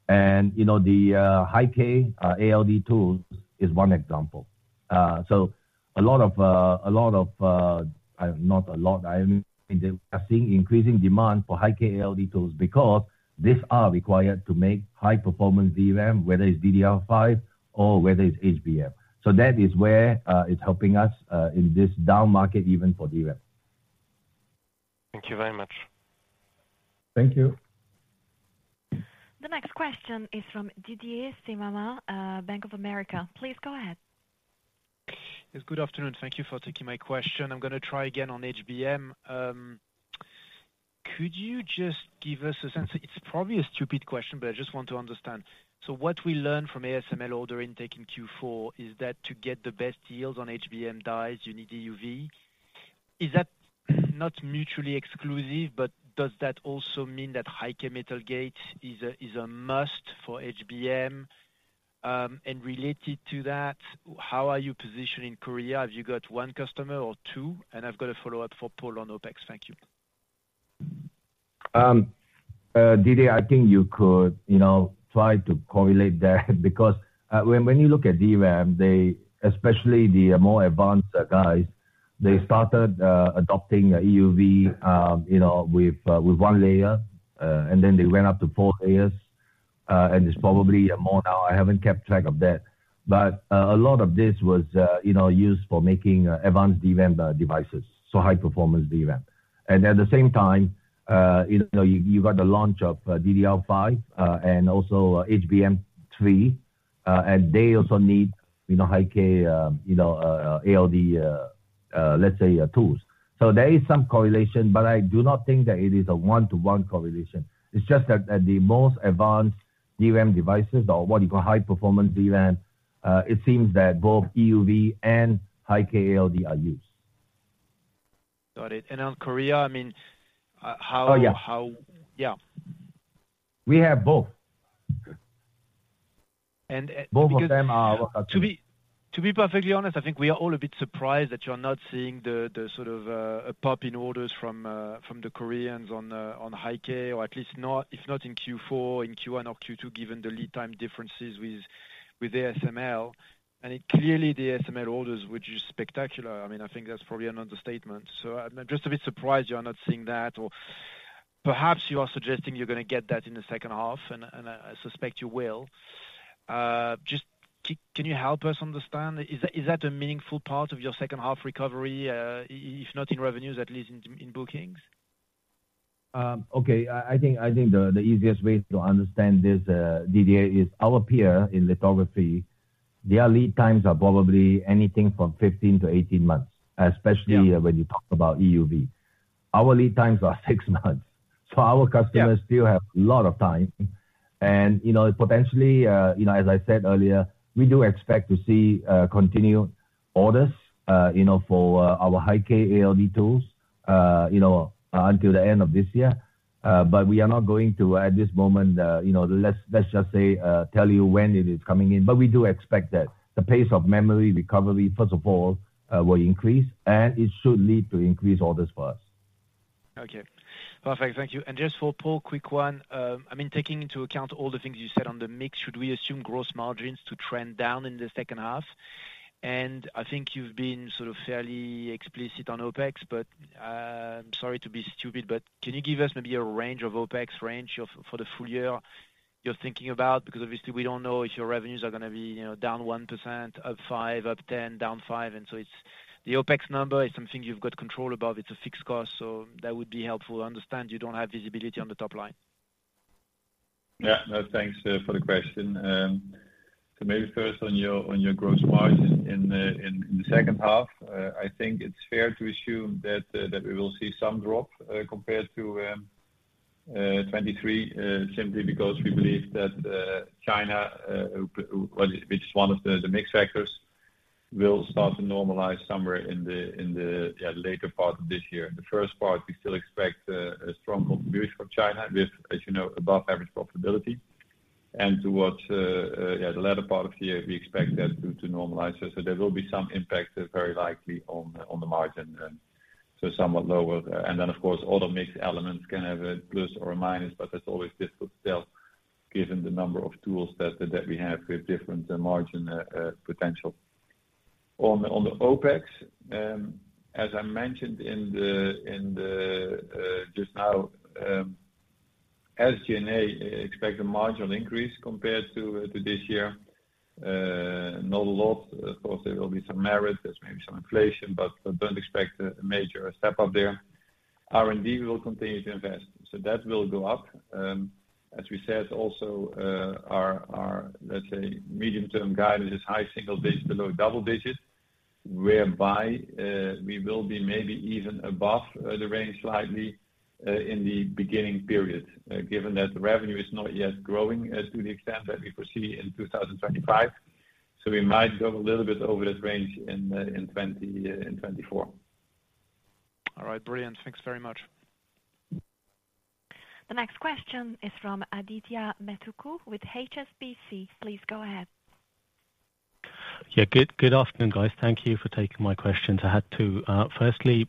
And, you know, the, high-K, ALD tools is one example. So a lot of, a lot of, not a lot, I mean, we are seeing increasing demand for high-K ALD tools because these are required to make high performance DRAM, whether it's DDR5 or whether it's HBM. So that is where it's helping us in this down market, even for DRAM. Thank you very much. Thank you. The next question is from Didier Scemama, Bank of America. Please go ahead. Yes, good afternoon. Thank you for taking my question. I'm gonna try again on HBM. Could you just give us a sense? It's probably a stupid question, but I just want to understand. So what we learn from ASML order intake in Q4 is that to get the best deals on HBM dies, you need EUV? Is that not mutually exclusive, but does that also mean that high-K metal gate is a must for HBM? And related to that, how are you positioned in Korea? Have you got one customer or two? And I've got a follow-up for Paul on OpEx. Thank you. Didier, I think you could, you know, try to correlate that because when you look at DRAM, they, especially the more advanced guys, they started adopting EUV, you know, with one layer, and then they went up to four layers. And it's probably more now, I haven't kept track of that. But a lot of this was, you know, used for making advanced DRAM devices, so high performance DRAM. And at the same time, you know, you've got the launch of DDR5 and also HBM3, and they also need, you know, high-K, you know, ALD tools. Let's say tools. So there is some correlation, but I do not think that it is a one-to-one correlation. It's just that at the most advanced DRAM devices or what you call high-performance DRAM, it seems that both EUV and High-K ALD are used. Got it. And on Korea, I mean, how- Oh, yeah. How... Yeah. We have both. And, and- Both of them are- To be perfectly honest, I think we are all a bit surprised that you're not seeing the sort of a pop in orders from the Koreans on High-K, or at least not, if not in Q4, in Q1 or Q2, given the lead time differences with ASML. And clearly, the ASML orders, which is spectacular, I mean, I think that's probably an understatement. So I'm just a bit surprised you are not seeing that, or perhaps you are suggesting you're gonna get that in the second half, and I suspect you will. Just can you help us understand, is that a meaningful part of your second half recovery, if not in revenues, at least in bookings? Okay. I think the easiest way to understand this, Didier, is our peer in lithography, their lead times are probably anything from 15-18 months, especially- Yeah... when you talk about EUV. Our lead times are six months, so our customers- Yeah... still have a lot of time. You know, potentially, you know, as I said earlier, we do expect to see continued orders, you know, for our High-K ALD tools, you know, until the end of this year. But we are not going to, at this moment, you know, let's just say tell you when it is coming in, but we do expect that the pace of memory recovery, first of all, will increase, and it should lead to increased orders for us. Okay. Perfect. Thank you. And just for Paul, quick one. I mean, taking into account all the things you said on the mix, should we assume gross margins to trend down in the second half? And I think you've been sort of fairly explicit on OpEx, but, I'm sorry to be stupid, but can you give us maybe a range of OpEx for the full year you're thinking about? Because obviously we don't know if your revenues are gonna be, you know, down 1%, up 5%, up 10%, down 5%, and so it's... The OpEx number is something you've got control above. It's a fixed cost, so that would be helpful to understand. You don't have visibility on the top line. Yeah. No, thanks for the question. So maybe first on your gross margin in the second half, I think it's fair to assume that we will see some drop compared to 2023. Simply because we believe that China, which is one of the mix factors, will start to normalize somewhere in the later part of this year. The first part, we still expect a strong contribution from China with, as you know, above average profitability. And towards the latter part of the year, we expect that to normalize. So there will be some impact, very likely on the margin, so somewhat lower. Of course, all the mix elements can have a plus or a minus, but that's always difficult to tell, given the number of tools that we have with different margin potential. On the OpEx, as I mentioned just now, SG&A, expect a marginal increase compared to this year. Not a lot. Of course, there will be some merit. There's maybe some inflation, but don't expect a major step up there. R&D, we will continue to invest, so that will go up. As we said, also, our, our, let's say, medium-term guidance is high single digits below double digits, whereby, we will be maybe even above, the range slightly, in the beginning period, given that the revenue is not yet growing, to the extent that we foresee in 2025. So we might go a little bit over that range in, in twenty, in 2024. All right. Brilliant. Thanks very much. The next question is from Adithya Metuku with HSBC. Please go ahead. Yeah. Good afternoon, guys. Thank you for taking my questions. I had two. Firstly,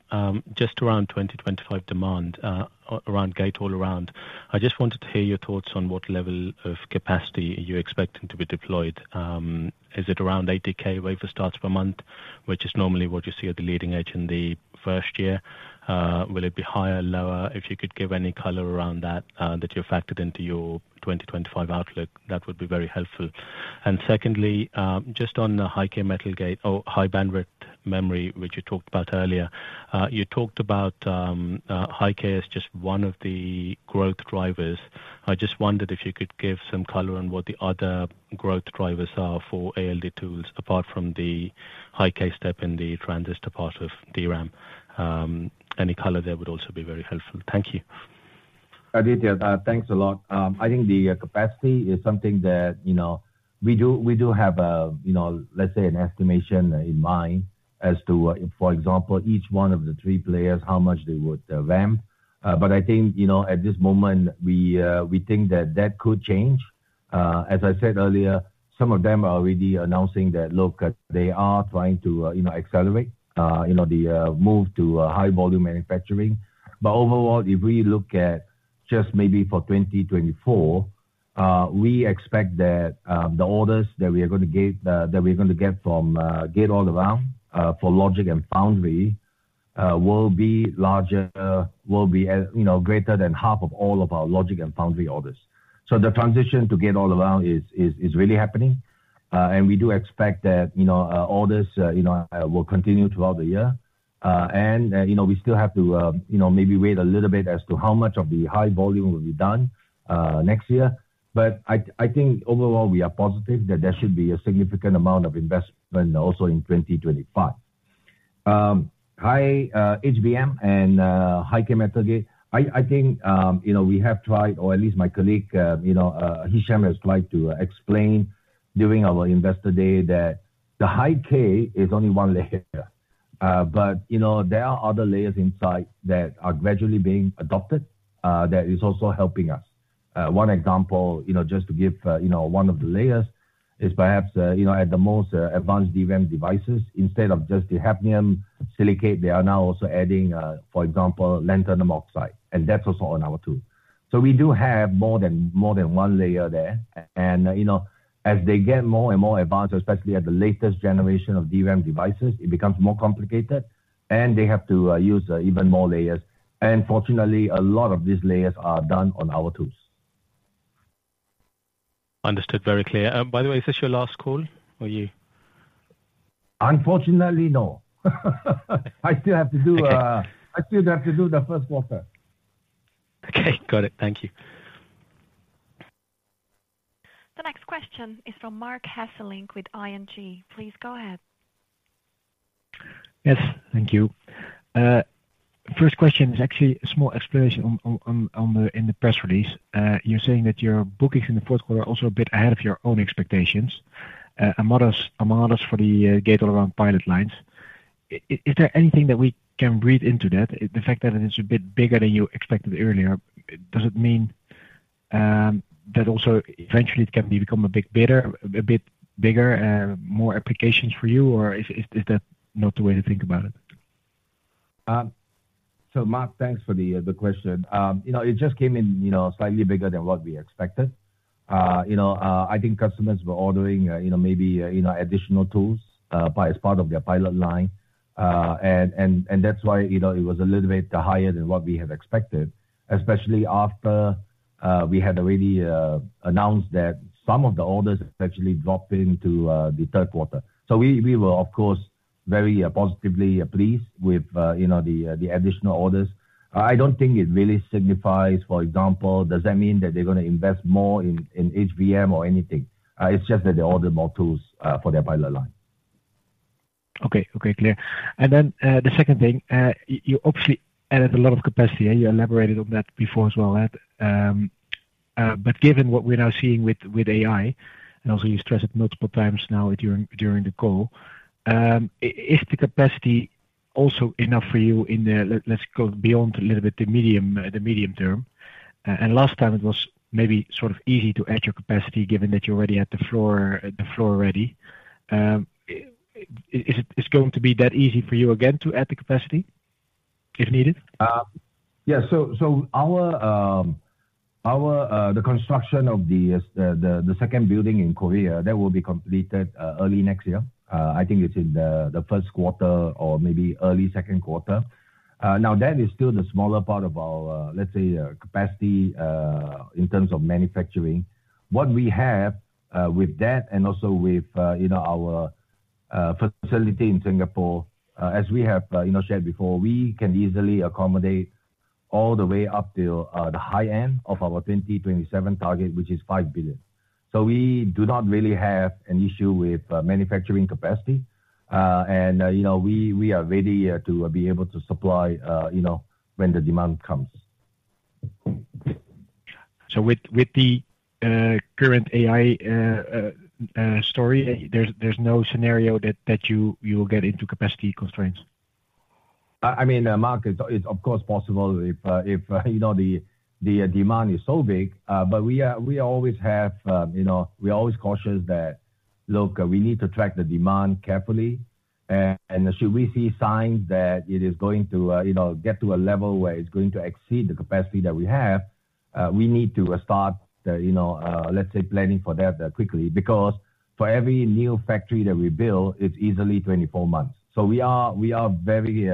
just around 2025 demand, around Gate-All-Around, I just wanted to hear your thoughts on what level of capacity you're expecting to be deployed. Is it around 80K wafer starts per month, which is normally what you see at the leading edge in the first year? Will it be higher, lower? If you could give any color around that, that you factored into your 2025 outlook, that would be very helpful. And secondly, just on the High-K metal gate or High-Bandwidth Memory, which you talked about earlier. You talked about High-K as just one of the growth drivers. I just wondered if you could give some color on what the other growth drivers are for ALD tools, apart from the High-K step in the transistor part of DRAM. Any color there would also be very helpful. Thank you. Adithya, thanks a lot. I think the capacity is something that, you know, we do, we do have a, you know, let's say, an estimation in mind as to, for example, each one of the three players, how much they would ramp. But I think, you know, at this moment, we, we think that that could change. As I said earlier, some of them are already announcing that, look, they are trying to, you know, accelerate, you know, the move to high-volume manufacturing. But overall, if we look at just maybe for 2024, we expect that the orders that we are gonna get that we're gonna get from Gate-All-Around for logic and foundry will be larger, will be as, you know, greater than half of all of our logic and foundry orders. So the transition to Gate-All-Around is really happening, and we do expect that, you know, orders will continue throughout the year. And, you know, we still have to, you know, maybe wait a little bit as to how much of the high volume will be done next year. But I think overall, we are positive that there should be a significant amount of investment also in 2025. High HBM and high-K metal gate. I think, you know, we have tried, or at least my colleague, you know, Hichem, has tried to explain during our investor day that the high-K is only one layer. But, you know, there are other layers inside that are gradually being adopted, that is also helping us. One example, you know, just to give, you know, one of the layers, is perhaps, you know, at the most, advanced DRAM devices, instead of just the hafnium silicate, they are now also adding, for example, lanthanum oxide, and that's also on our tool. So we do have more than one layer there. And, you know, as they get more and more advanced, especially at the latest generation of DRAM devices, it becomes more complicated, and they have to use even more layers. Fortunately, a lot of these layers are done on our tools. Understood. Very clear. By the way, is this your last call or you- Unfortunately, no. I still have to do. Okay. I still have to do the first quarter. Okay, got it. Thank you. The next question is from Marc Hesselink with ING. Please go ahead. Yes, thank you. First question is actually a small explanation in the press release. You're saying that your bookings in the fourth quarter are also a bit ahead of your own expectations, a modest for the Gate-All-Around pilot lines. Is there anything that we can read into that, the fact that it's a bit bigger than you expected earlier? Does it mean that also eventually it can become a bit better, a bit bigger and more applications for you, or is that not the way to think acout it? So Marc, thanks for the question. You know, it just came in, you know, slightly bigger than what we expected. You know, I think customers were ordering, you know, maybe, additional tools by as part of their pilot line. That's why, you know, it was a little bit higher than what we had expected, especially after we had already announced that some of the orders actually dropped into the third quarter. So we were of course very positively pleased with, you know, the additional orders. I don't think it really signifies, for example, does that mean that they're gonna invest more in HBM or anything? It's just that they ordered more tools for their pilot line. Okay. Okay, clear. And then, the second thing, you obviously added a lot of capacity, and you elaborated on that before as well. But given what we're now seeing with, with AI, and also you stressed it multiple times now during, during the call, is the capacity also enough for you in the... Let's go beyond a little bit, the medium, the medium term. And last time it was maybe sort of easy to add your capacity, given that you already had the floor, the floor ready. Is it going to be that easy for you again to add the capacity, if needed? Yeah, so our the construction of the the second building in Korea, that will be completed early next year. I think it's in the first quarter or maybe early second quarter. Now, that is still the smaller part of our, let's say, capacity in terms of manufacturing. What we have with that and also with, you know, our facility in Singapore, as we have, you know, shared before, we can easily accommodate all the way up to the high end of our 2027 target, which is 5 billion. So we do not really have an issue with manufacturing capacity. And, you know, we are ready to be able to supply, you know, when the demand comes. So with the current AI story, there's no scenario that you will get into capacity constraints? I mean, Marc, it's of course possible if, you know, the demand is so big. But we always have, you know, we're always cautious that, look, we need to track the demand carefully, and should we see signs that it is going to, you know, get to a level where it's going to exceed the capacity that we have, we need to start, you know, let's say planning for that quickly. Because for every new factory that we build, it's easily 24 months. So we are very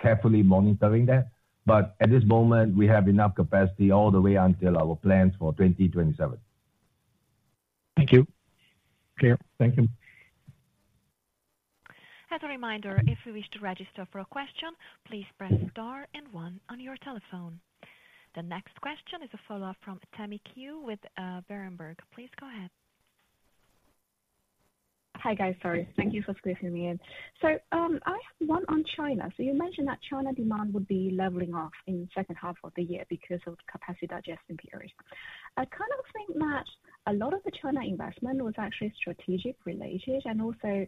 carefully monitoring that, but at this moment, we have enough capacity all the way until our plans for 2027. Thank you. Clear. Thank you. As a reminder, if you wish to register for a question, please press star and one on your telephone. The next question is a follow-up from Tammy Qiu with Berenberg. Please go ahead. Hi, guys. Sorry. Thank you for squeezing me in. So, I have one on China. So you mentioned that China demand would be leveling off in second half of the year because of the capacity digestion period. I kind of think that a lot of the China investment was actually strategic related, and also,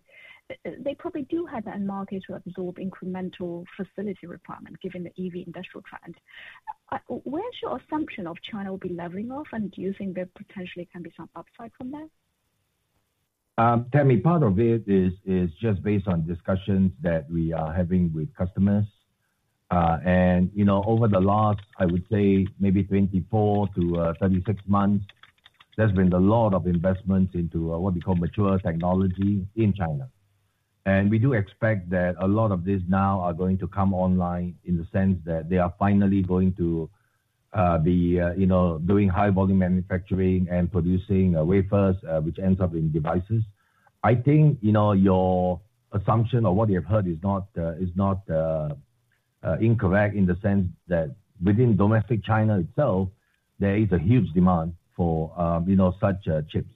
they probably do have that market to absorb incremental facility requirement, given the EV industrial trend. Where's your assumption of China will be leveling off, and do you think there potentially can be some upside from that? Tammy, part of it is just based on discussions that we are having with customers. And, you know, over the last, I would say maybe 24 to 36 months, there's been a lot of investments into what we call mature technology in China. And we do expect that a lot of these now are going to come online, in the sense that they are finally going to be doing high volume manufacturing and producing wafers, which ends up in devices. I think, you know, your assumption or what you've heard is not incorrect in the sense that within domestic China itself, there is a huge demand for such chips.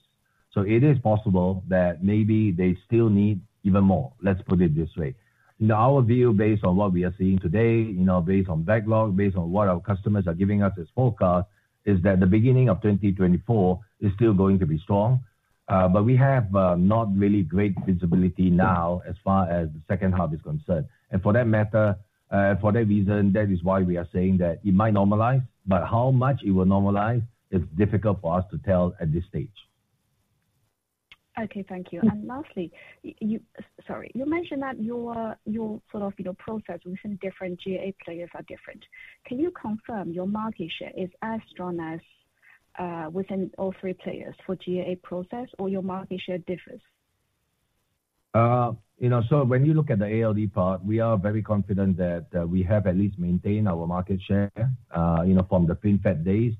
So it is possible that maybe they still need even more, let's put it this way. In our view, based on what we are seeing today, you know, based on backlog, based on what our customers are giving us as forecast, is that the beginning of 2024 is still going to be strong. But we have not really great visibility now as far as the second half is concerned. And for that matter, for that reason, that is why we are saying that it might normalize, but how much it will normalize is difficult for us to tell at this stage. Okay, thank you. And lastly, you mentioned that your, your sort of, you know, process within different GAA players are different. Can you confirm your market share is as strong as within all three players for GAA process or your market share differs? You know, so when you look at the ALD part, we are very confident that we have at least maintained our market share, you know, from the thin film days.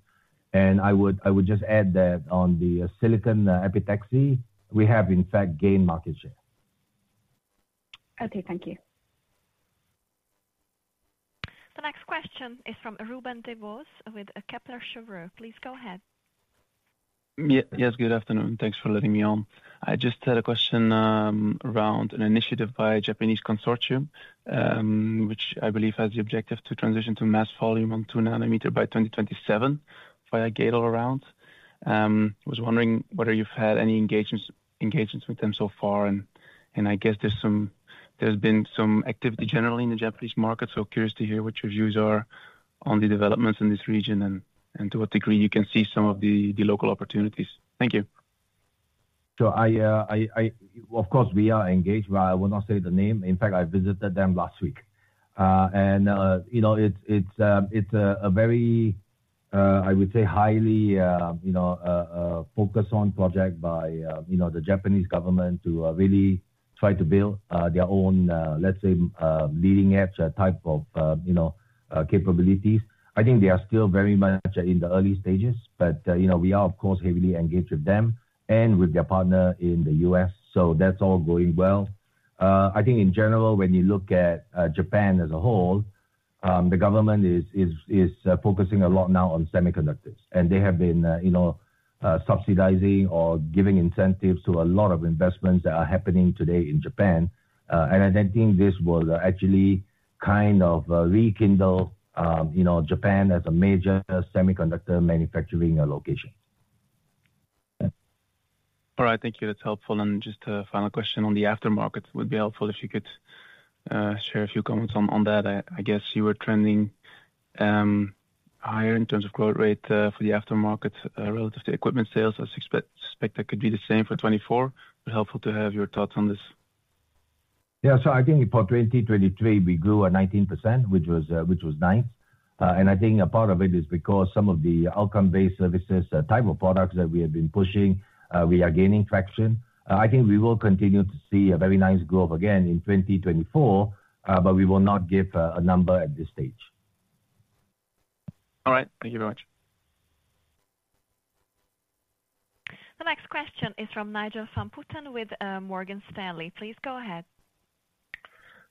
And I would just add that on the silicon epitaxy, we have in fact gained market share. Okay, thank you. The next question is from Ruben Devos, with Kepler Cheuvreux. Please go ahead. Yeah. Yes, good afternoon. Thanks for letting me on. I just had a question around an initiative by a Japanese consortium, which I believe has the objective to transition to mass volume on 2 nm by 2027, via Gate-All-Around. I was wondering whether you've had any engagements with them so far, and I guess there's some activity generally in the Japanese market, so curious to hear what your views are on the developments in this region and to what degree you can see some of the local opportunities. Thank you. So, of course, we are engaged, but I will not say the name. In fact, I visited them last week. And, you know, it's a very, I would say, highly, you know, focused on project by, you know, the Japanese government to really try to build their own, let's say, leading-edge type of, you know, capabilities. I think they are still very much in the early stages, but, you know, we are, of course, heavily engaged with them and with their partner in the U.S., so that's all going well. I think in general, when you look at Japan as a whole, the government is focusing a lot now on semiconductors, and they have been, you know, subsidizing or giving incentives to a lot of investments that are happening today in Japan. And I then think this will actually kind of rekindle, you know, Japan as a major semiconductor manufacturing location. All right. Thank you. That's helpful. Just a final question on the aftermarket would be helpful if you could share a few comments on that. I guess you were trending higher in terms of growth rate for the aftermarket relative to equipment sales. I expect that could be the same for 2024. It's helpful to have your thoughts on this. Yeah. So I think for 2023, we grew at 19%, which was nice. And I think a part of it is because some of the outcome-based services type of products that we have been pushing, we are gaining traction. I think we will continue to see a very nice growth again in 2024, but we will not give a number at this stage. All right. Thank you very much. The next question is from Nigel van Putten with Morgan Stanley. Please go ahead.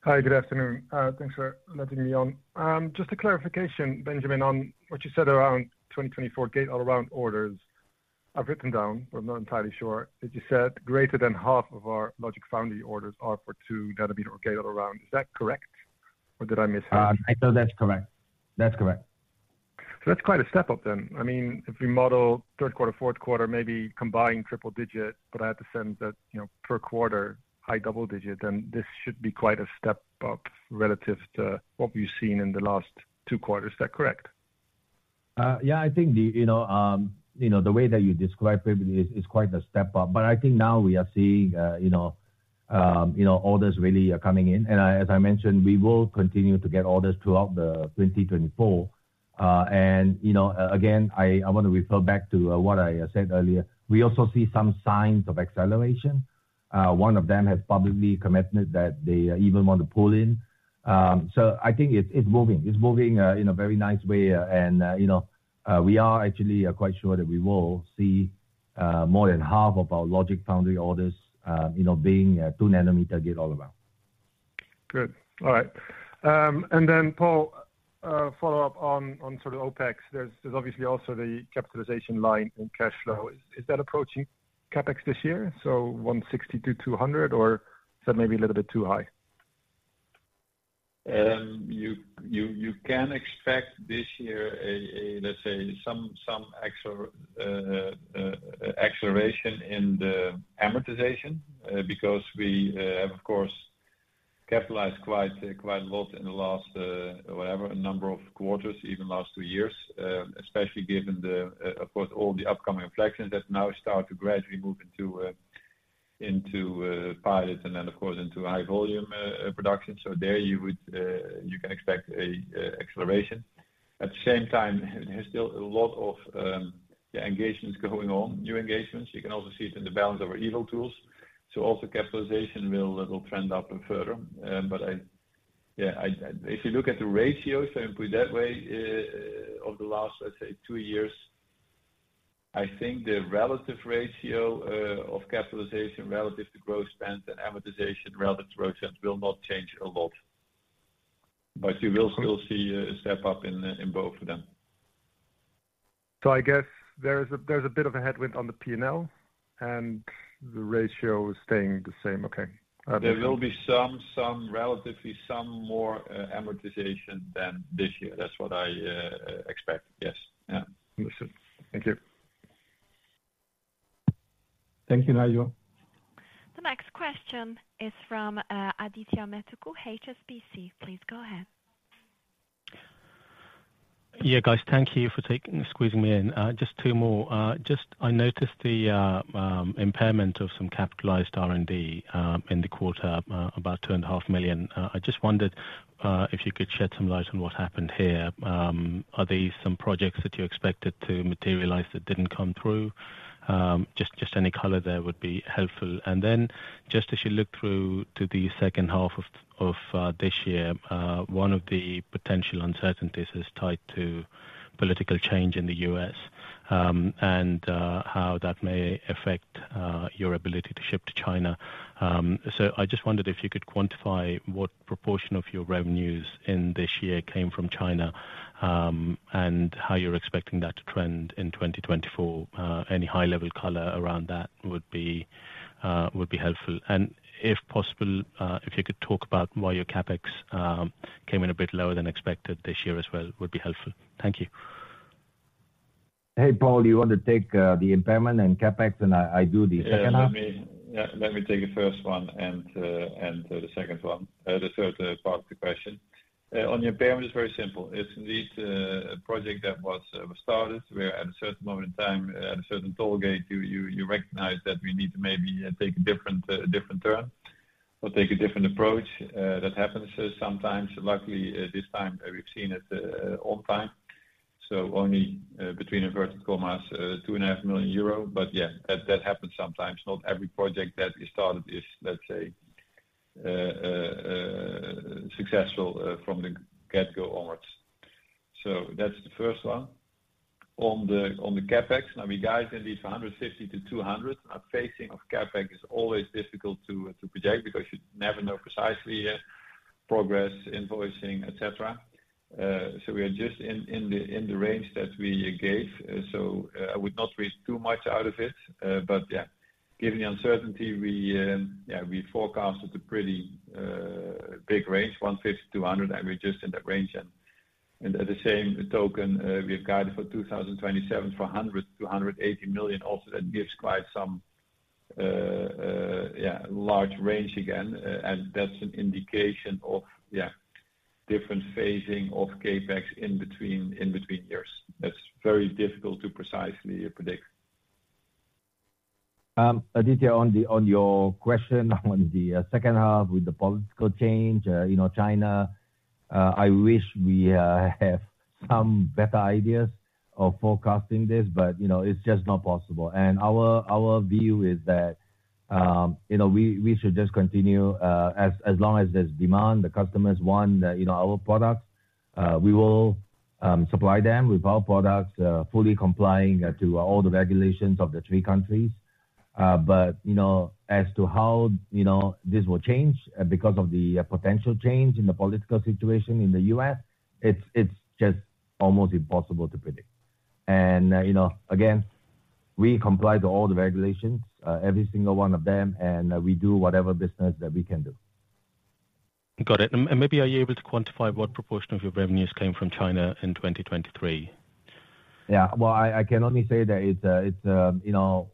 Hi, good afternoon. Thanks for letting me on. Just a clarification, Benjamin, on what you said around 2024 Gate-All-Around orders. I've written down, but I'm not entirely sure. That you said, greater than half of our logic foundry orders are for 2 nanometer Gate-All-Around. Is that correct, or did I mishear? No, that's correct. That's correct. So that's quite a step up then. I mean, if we model third quarter, fourth quarter, maybe combined triple-digit, but I have the sense that, you know, per quarter, high double-digit, then this should be quite a step up relative to what we've seen in the last two quarters. Is that correct? Yeah, I think the, you know, you know, the way that you described it is quite a step up. But I think now we are seeing, you know, you know, orders really are coming in. And I, as I mentioned, we will continue to get orders throughout 2024. And you know, again, I want to refer back to what I said earlier, we also see some signs of acceleration. One of them has publicly committed that they even want to pull in. So I think it's moving, it's moving in a very nice way, and, you know, we are actually quite sure that we will see more than half of our logic foundry orders, you know, being 2-nanometer Gate-All-Around. Good. All right. And then, Paul, follow up on, on sort of OpEx. There's, there's obviously also the capitalization line in cash flow. Is that approaching CapEx this year? So 160-200, or is that maybe a little bit too high? You can expect this year a, let's say, some acceleration in the amortization, because we have, of course, capitalized quite a lot in the last, whatever number of quarters, even last two years, especially given the, of course, all the upcoming inflections that now start to gradually move into, into pilot and then, of course, into high volume production. So there you would, you can expect an acceleration. At the same time, there's still a lot of engagements going on, new engagements. You can also see it in the backlog of our ALD tools. So also capitalization will trend up further. But if you look at the ratios, if I put it that way, of the last, let's say, two years- ... I think the relative ratio of capitalization relative to growth spend and amortization relative to growth spend will not change a lot. But you will still see a step up in both of them. So I guess there's a bit of a headwind on the PNL, and the ratio is staying the same. Okay. There will be some relatively more amortization than this year. That's what I expect. Yes. Yeah. Understood. Thank you. Thank you, Nigel. The next question is from, Adithya Metuku, HSBC. Please go ahead. Yeah, guys, thank you for squeezing me in. Just two more. Just, I noticed the impairment of some capitalized R&D in the quarter, about 2.5 million. I just wondered if you could shed some light on what happened here. Are these some projects that you expected to materialize that didn't come through? Just, just any color there would be helpful. And then, just as you look through to the second half of this year, one of the potential uncertainties is tied to political change in the U.S., and how that may affect your ability to ship to China. So I just wondered if you could quantify what proportion of your revenues in this year came from China, and how you're expecting that to trend in 2024. Any high-level color around that would be helpful. And if possible, if you could talk about why your CapEx came in a bit lower than expected this year as well, would be helpful. Thank you. Hey, Paul, do you want to take the impairment and CapEx, and I do the second half? Yeah. Let me, yeah, let me take the first one and, and, the second one, the third part of the question. On the impairment, it's very simple. It's indeed, a project that was, was started, where at a certain moment in time, at a certain toll gate, you, you, you recognize that we need to maybe take a different, different turn or take a different approach. That happens sometimes. Luckily, this time we've seen it, on time, so only, between inverted commas, 2.5 million euro. But yeah, that, that happens sometimes. Not every project that is started is, let's say, successful, from the get-go onwards. So that's the first one. On the, on the CapEx, now we guide indeed for 150 million-200 million. Our phasing of CapEx is always difficult to project because you never know precisely progress, invoicing, et cetera. So we are just in the range that we gave. So I would not read too much out of it. But yeah, given the uncertainty, we yeah we forecasted a pretty big range, 150 million-200 million, and we're just in that range. And at the same token, we've guided for 2027, for 100 million-180 million. Also, that gives quite some yeah large range again. And that's an indication of yeah different phasing of CapEx in between years. That's very difficult to precisely predict. Adithya, on your question, on the second half with the political change, you know, China, I wish we have some better ideas of forecasting this, but, you know, it's just not possible. And our view is that, you know, we should just continue, as long as there's demand, the customers want, you know, our products, we will supply them with our products, fully complying to all the regulations of the three countries. But, you know, as to how, you know, this will change because of the potential change in the political situation in the US, it's just almost impossible to predict. And, you know, again, we comply to all the regulations, every single one of them, and we do whatever business that we can do. Got it. And maybe are you able to quantify what proportion of your revenues came from China in 2023? Yeah. Well, I can only say that it's a, you know,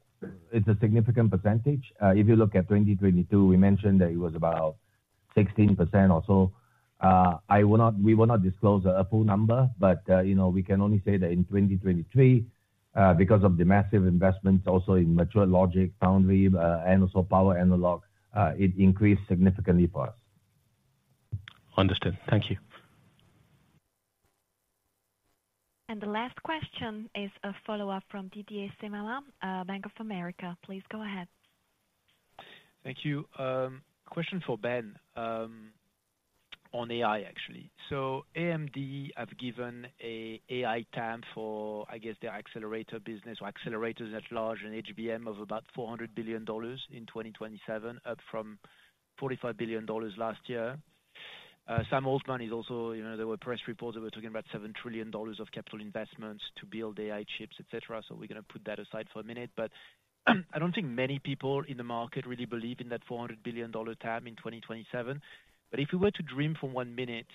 it's a significant percentage. If you look at 2022, we mentioned that it was about 16% or so. We will not disclose a full number, but, you know, we can only say that in 2023, because of the massive investments also in metrology, foundry, and also power analog, it increased significantly for us. Understood. Thank you. The last question is a follow-up from Didier Simama, Bank of America. Please go ahead. Thank you. Question for Ben, on AI, actually. So AMD have given a AI TAM for, I guess, their accelerator business or accelerators at large, an HBM of about $400 billion in 2027, up from $45 billion last year. Sam Altman is also... You know, there were press reports that were talking about $7 trillion of capital investments to build AI chips, et cetera. So we're gonna put that aside for a minute. But, I don't think many people in the market really believe in that $400 billion TAM in 2027. But if we were to dream for one minute,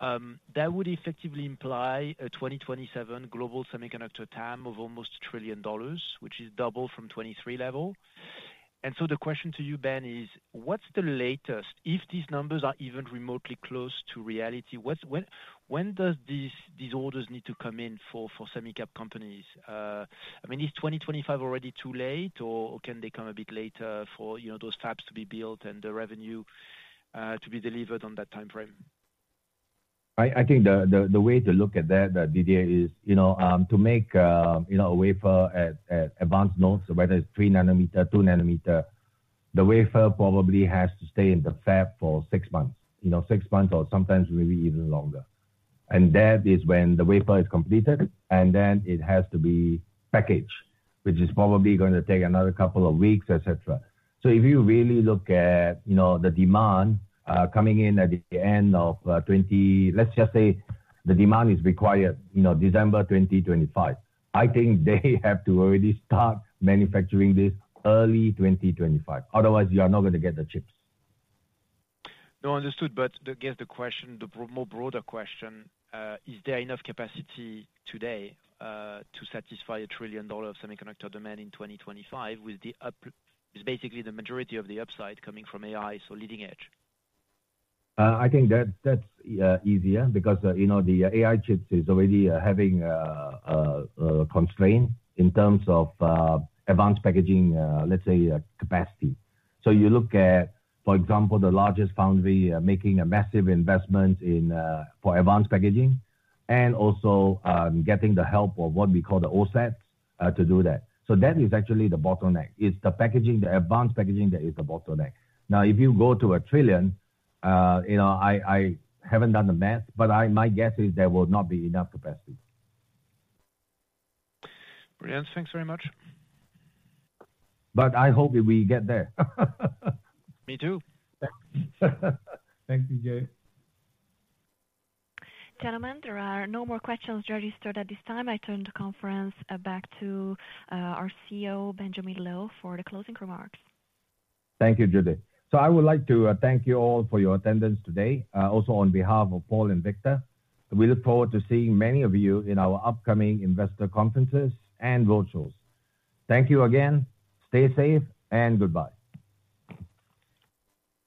that would effectively imply a 2027 global semiconductor TAM of almost $1 trillion, which is double from 2023 level. And so the question to you, Ben, is: what's the latest? If these numbers are even remotely close to reality, what's when does these orders need to come in for semi cap companies? I mean, is 2025 already too late, or can they come a bit later for, you know, those fabs to be built and the revenue to be delivered on that timeframe? I think the way to look at that, Didier, is, you know, to make, you know, a wafer at advanced nodes, whether it's 3 nanometer, 2 nanometer, the wafer probably has to stay in the fab for six months, you know, six months or sometimes maybe even longer. That is when the wafer is completed, and then it has to be packaged, which is probably going to take another couple of weeks, et cetera. So if you really look at, you know, the demand coming in at the end of, let's just say the demand is required, you know, December 2025, I think they have to already start manufacturing this early 2025. Otherwise, you are not going to get the chips. No, understood. But I guess the broader question: Is there enough capacity today to satisfy $1 trillion of semiconductor demand in 2025, with basically the majority of the upside coming from AI, so leading edge? I think that's easier because, you know, the AI chips is already having a constraint in terms of advanced packaging, let's say, capacity. So you look at, for example, the largest foundry making a massive investment in for advanced packaging, and also getting the help of what we call the OSATs to do that. So that is actually the bottleneck. It's the packaging, the advanced packaging that is the bottleneck. Now, if you go to a trillion, you know, I haven't done the math, but my guess is there will not be enough capacity. Brilliant. Thanks very much. But I hope we will get there. Me too. Thanks, Didier. Gentlemen, there are no more questions registered at this time. I turn the conference back to our CEO, Benjamin Loh, for the closing remarks. Thank you, Judy. I would like to thank you all for your attendance today, also on behalf of Paul and Victor. We look forward to seeing many of you in our upcoming investor conferences and roadshows. Thank you again. Stay safe, and goodbye.